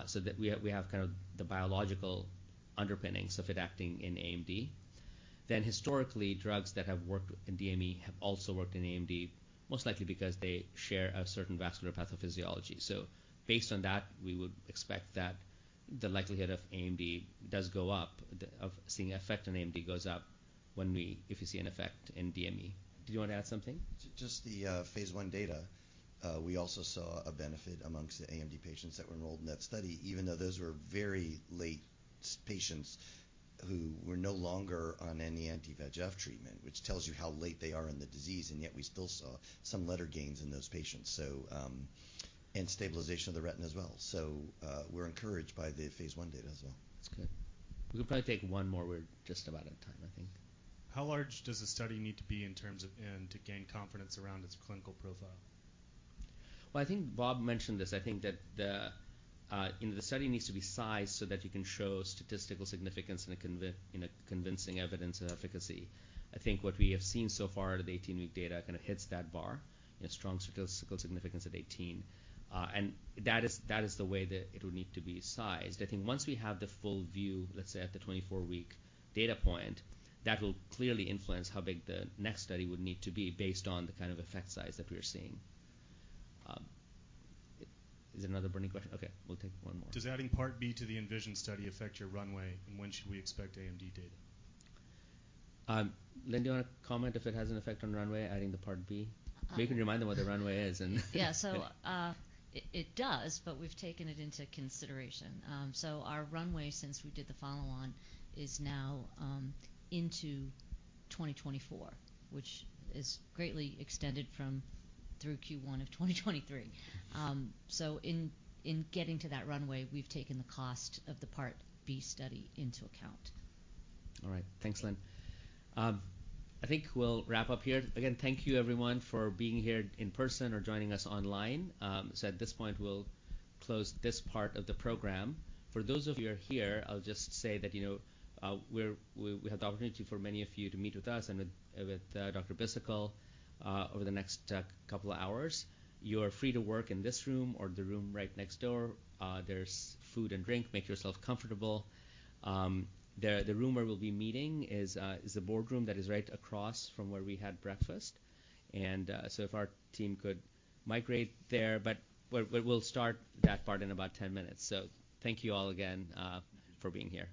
so that we have kind of the biological underpinnings of it acting in AMD. Historically, drugs that have worked in DME have also worked in AMD, most likely because they share a certain vascular pathophysiology. Based on that, we would expect that the likelihood of AMD does go up, of seeing effect on AMD goes up if we see an effect in DME. Do you want to add something? Just the phase one data. We also saw a benefit among the AMD patients that were enrolled in that study, even though those were very late patients who were no longer on any anti-VEGF treatment, which tells you how late they are in the disease, and yet we still saw some letter gains in those patients. Stabilization of the retina as well. We're encouraged by the phase one data as well. That's good. We'll probably take one more. We're just about out of time, I think. How large does a study need to be in terms of N to gain confidence around its clinical profile? Well, I think Bob mentioned this. I think that the you know, the study needs to be sized so that you can show statistical significance and a convincing evidence and efficacy. I think what we have seen so far, the 18-week data kind of hits that bar. You know, strong statistical significance at 18. That is the way that it would need to be sized. I think once we have the full view, let's say at the 24-week data point, that will clearly influence how big the next study would need to be based on the kind of effect size that we are seeing. Is there another burning question? Okay, we'll take one more. Does adding part B to the ENVISION study affect your runway? And when should we expect AMD data? Lynne, do you want to comment if it has an effect on runway, adding the part B? Uh- Maybe you can remind them what the runway is and. Yeah, it does, but we've taken it into consideration. Our runway since we did the follow-on is now into 2024, which is greatly extended from through Q1 of 2023. In getting to that runway, we've taken the cost of the Part B study into account. All right. Thanks, Lynne. I think we'll wrap up here. Again, thank you everyone for being here in person or joining us online. At this point, we'll close this part of the program. For those of you who are here, I'll just say that, you know, we have the opportunity for many of you to meet with us and with Dr. Bhisitkul over the next couple of hours. You're free to work in this room or the room right next door. There's food and drink. Make yourself comfortable. The room where we'll be meeting is the boardroom that is right across from where we had breakfast. If our team could migrate there, but we'll start that part in about 10 minutes. Thank you all again for being here.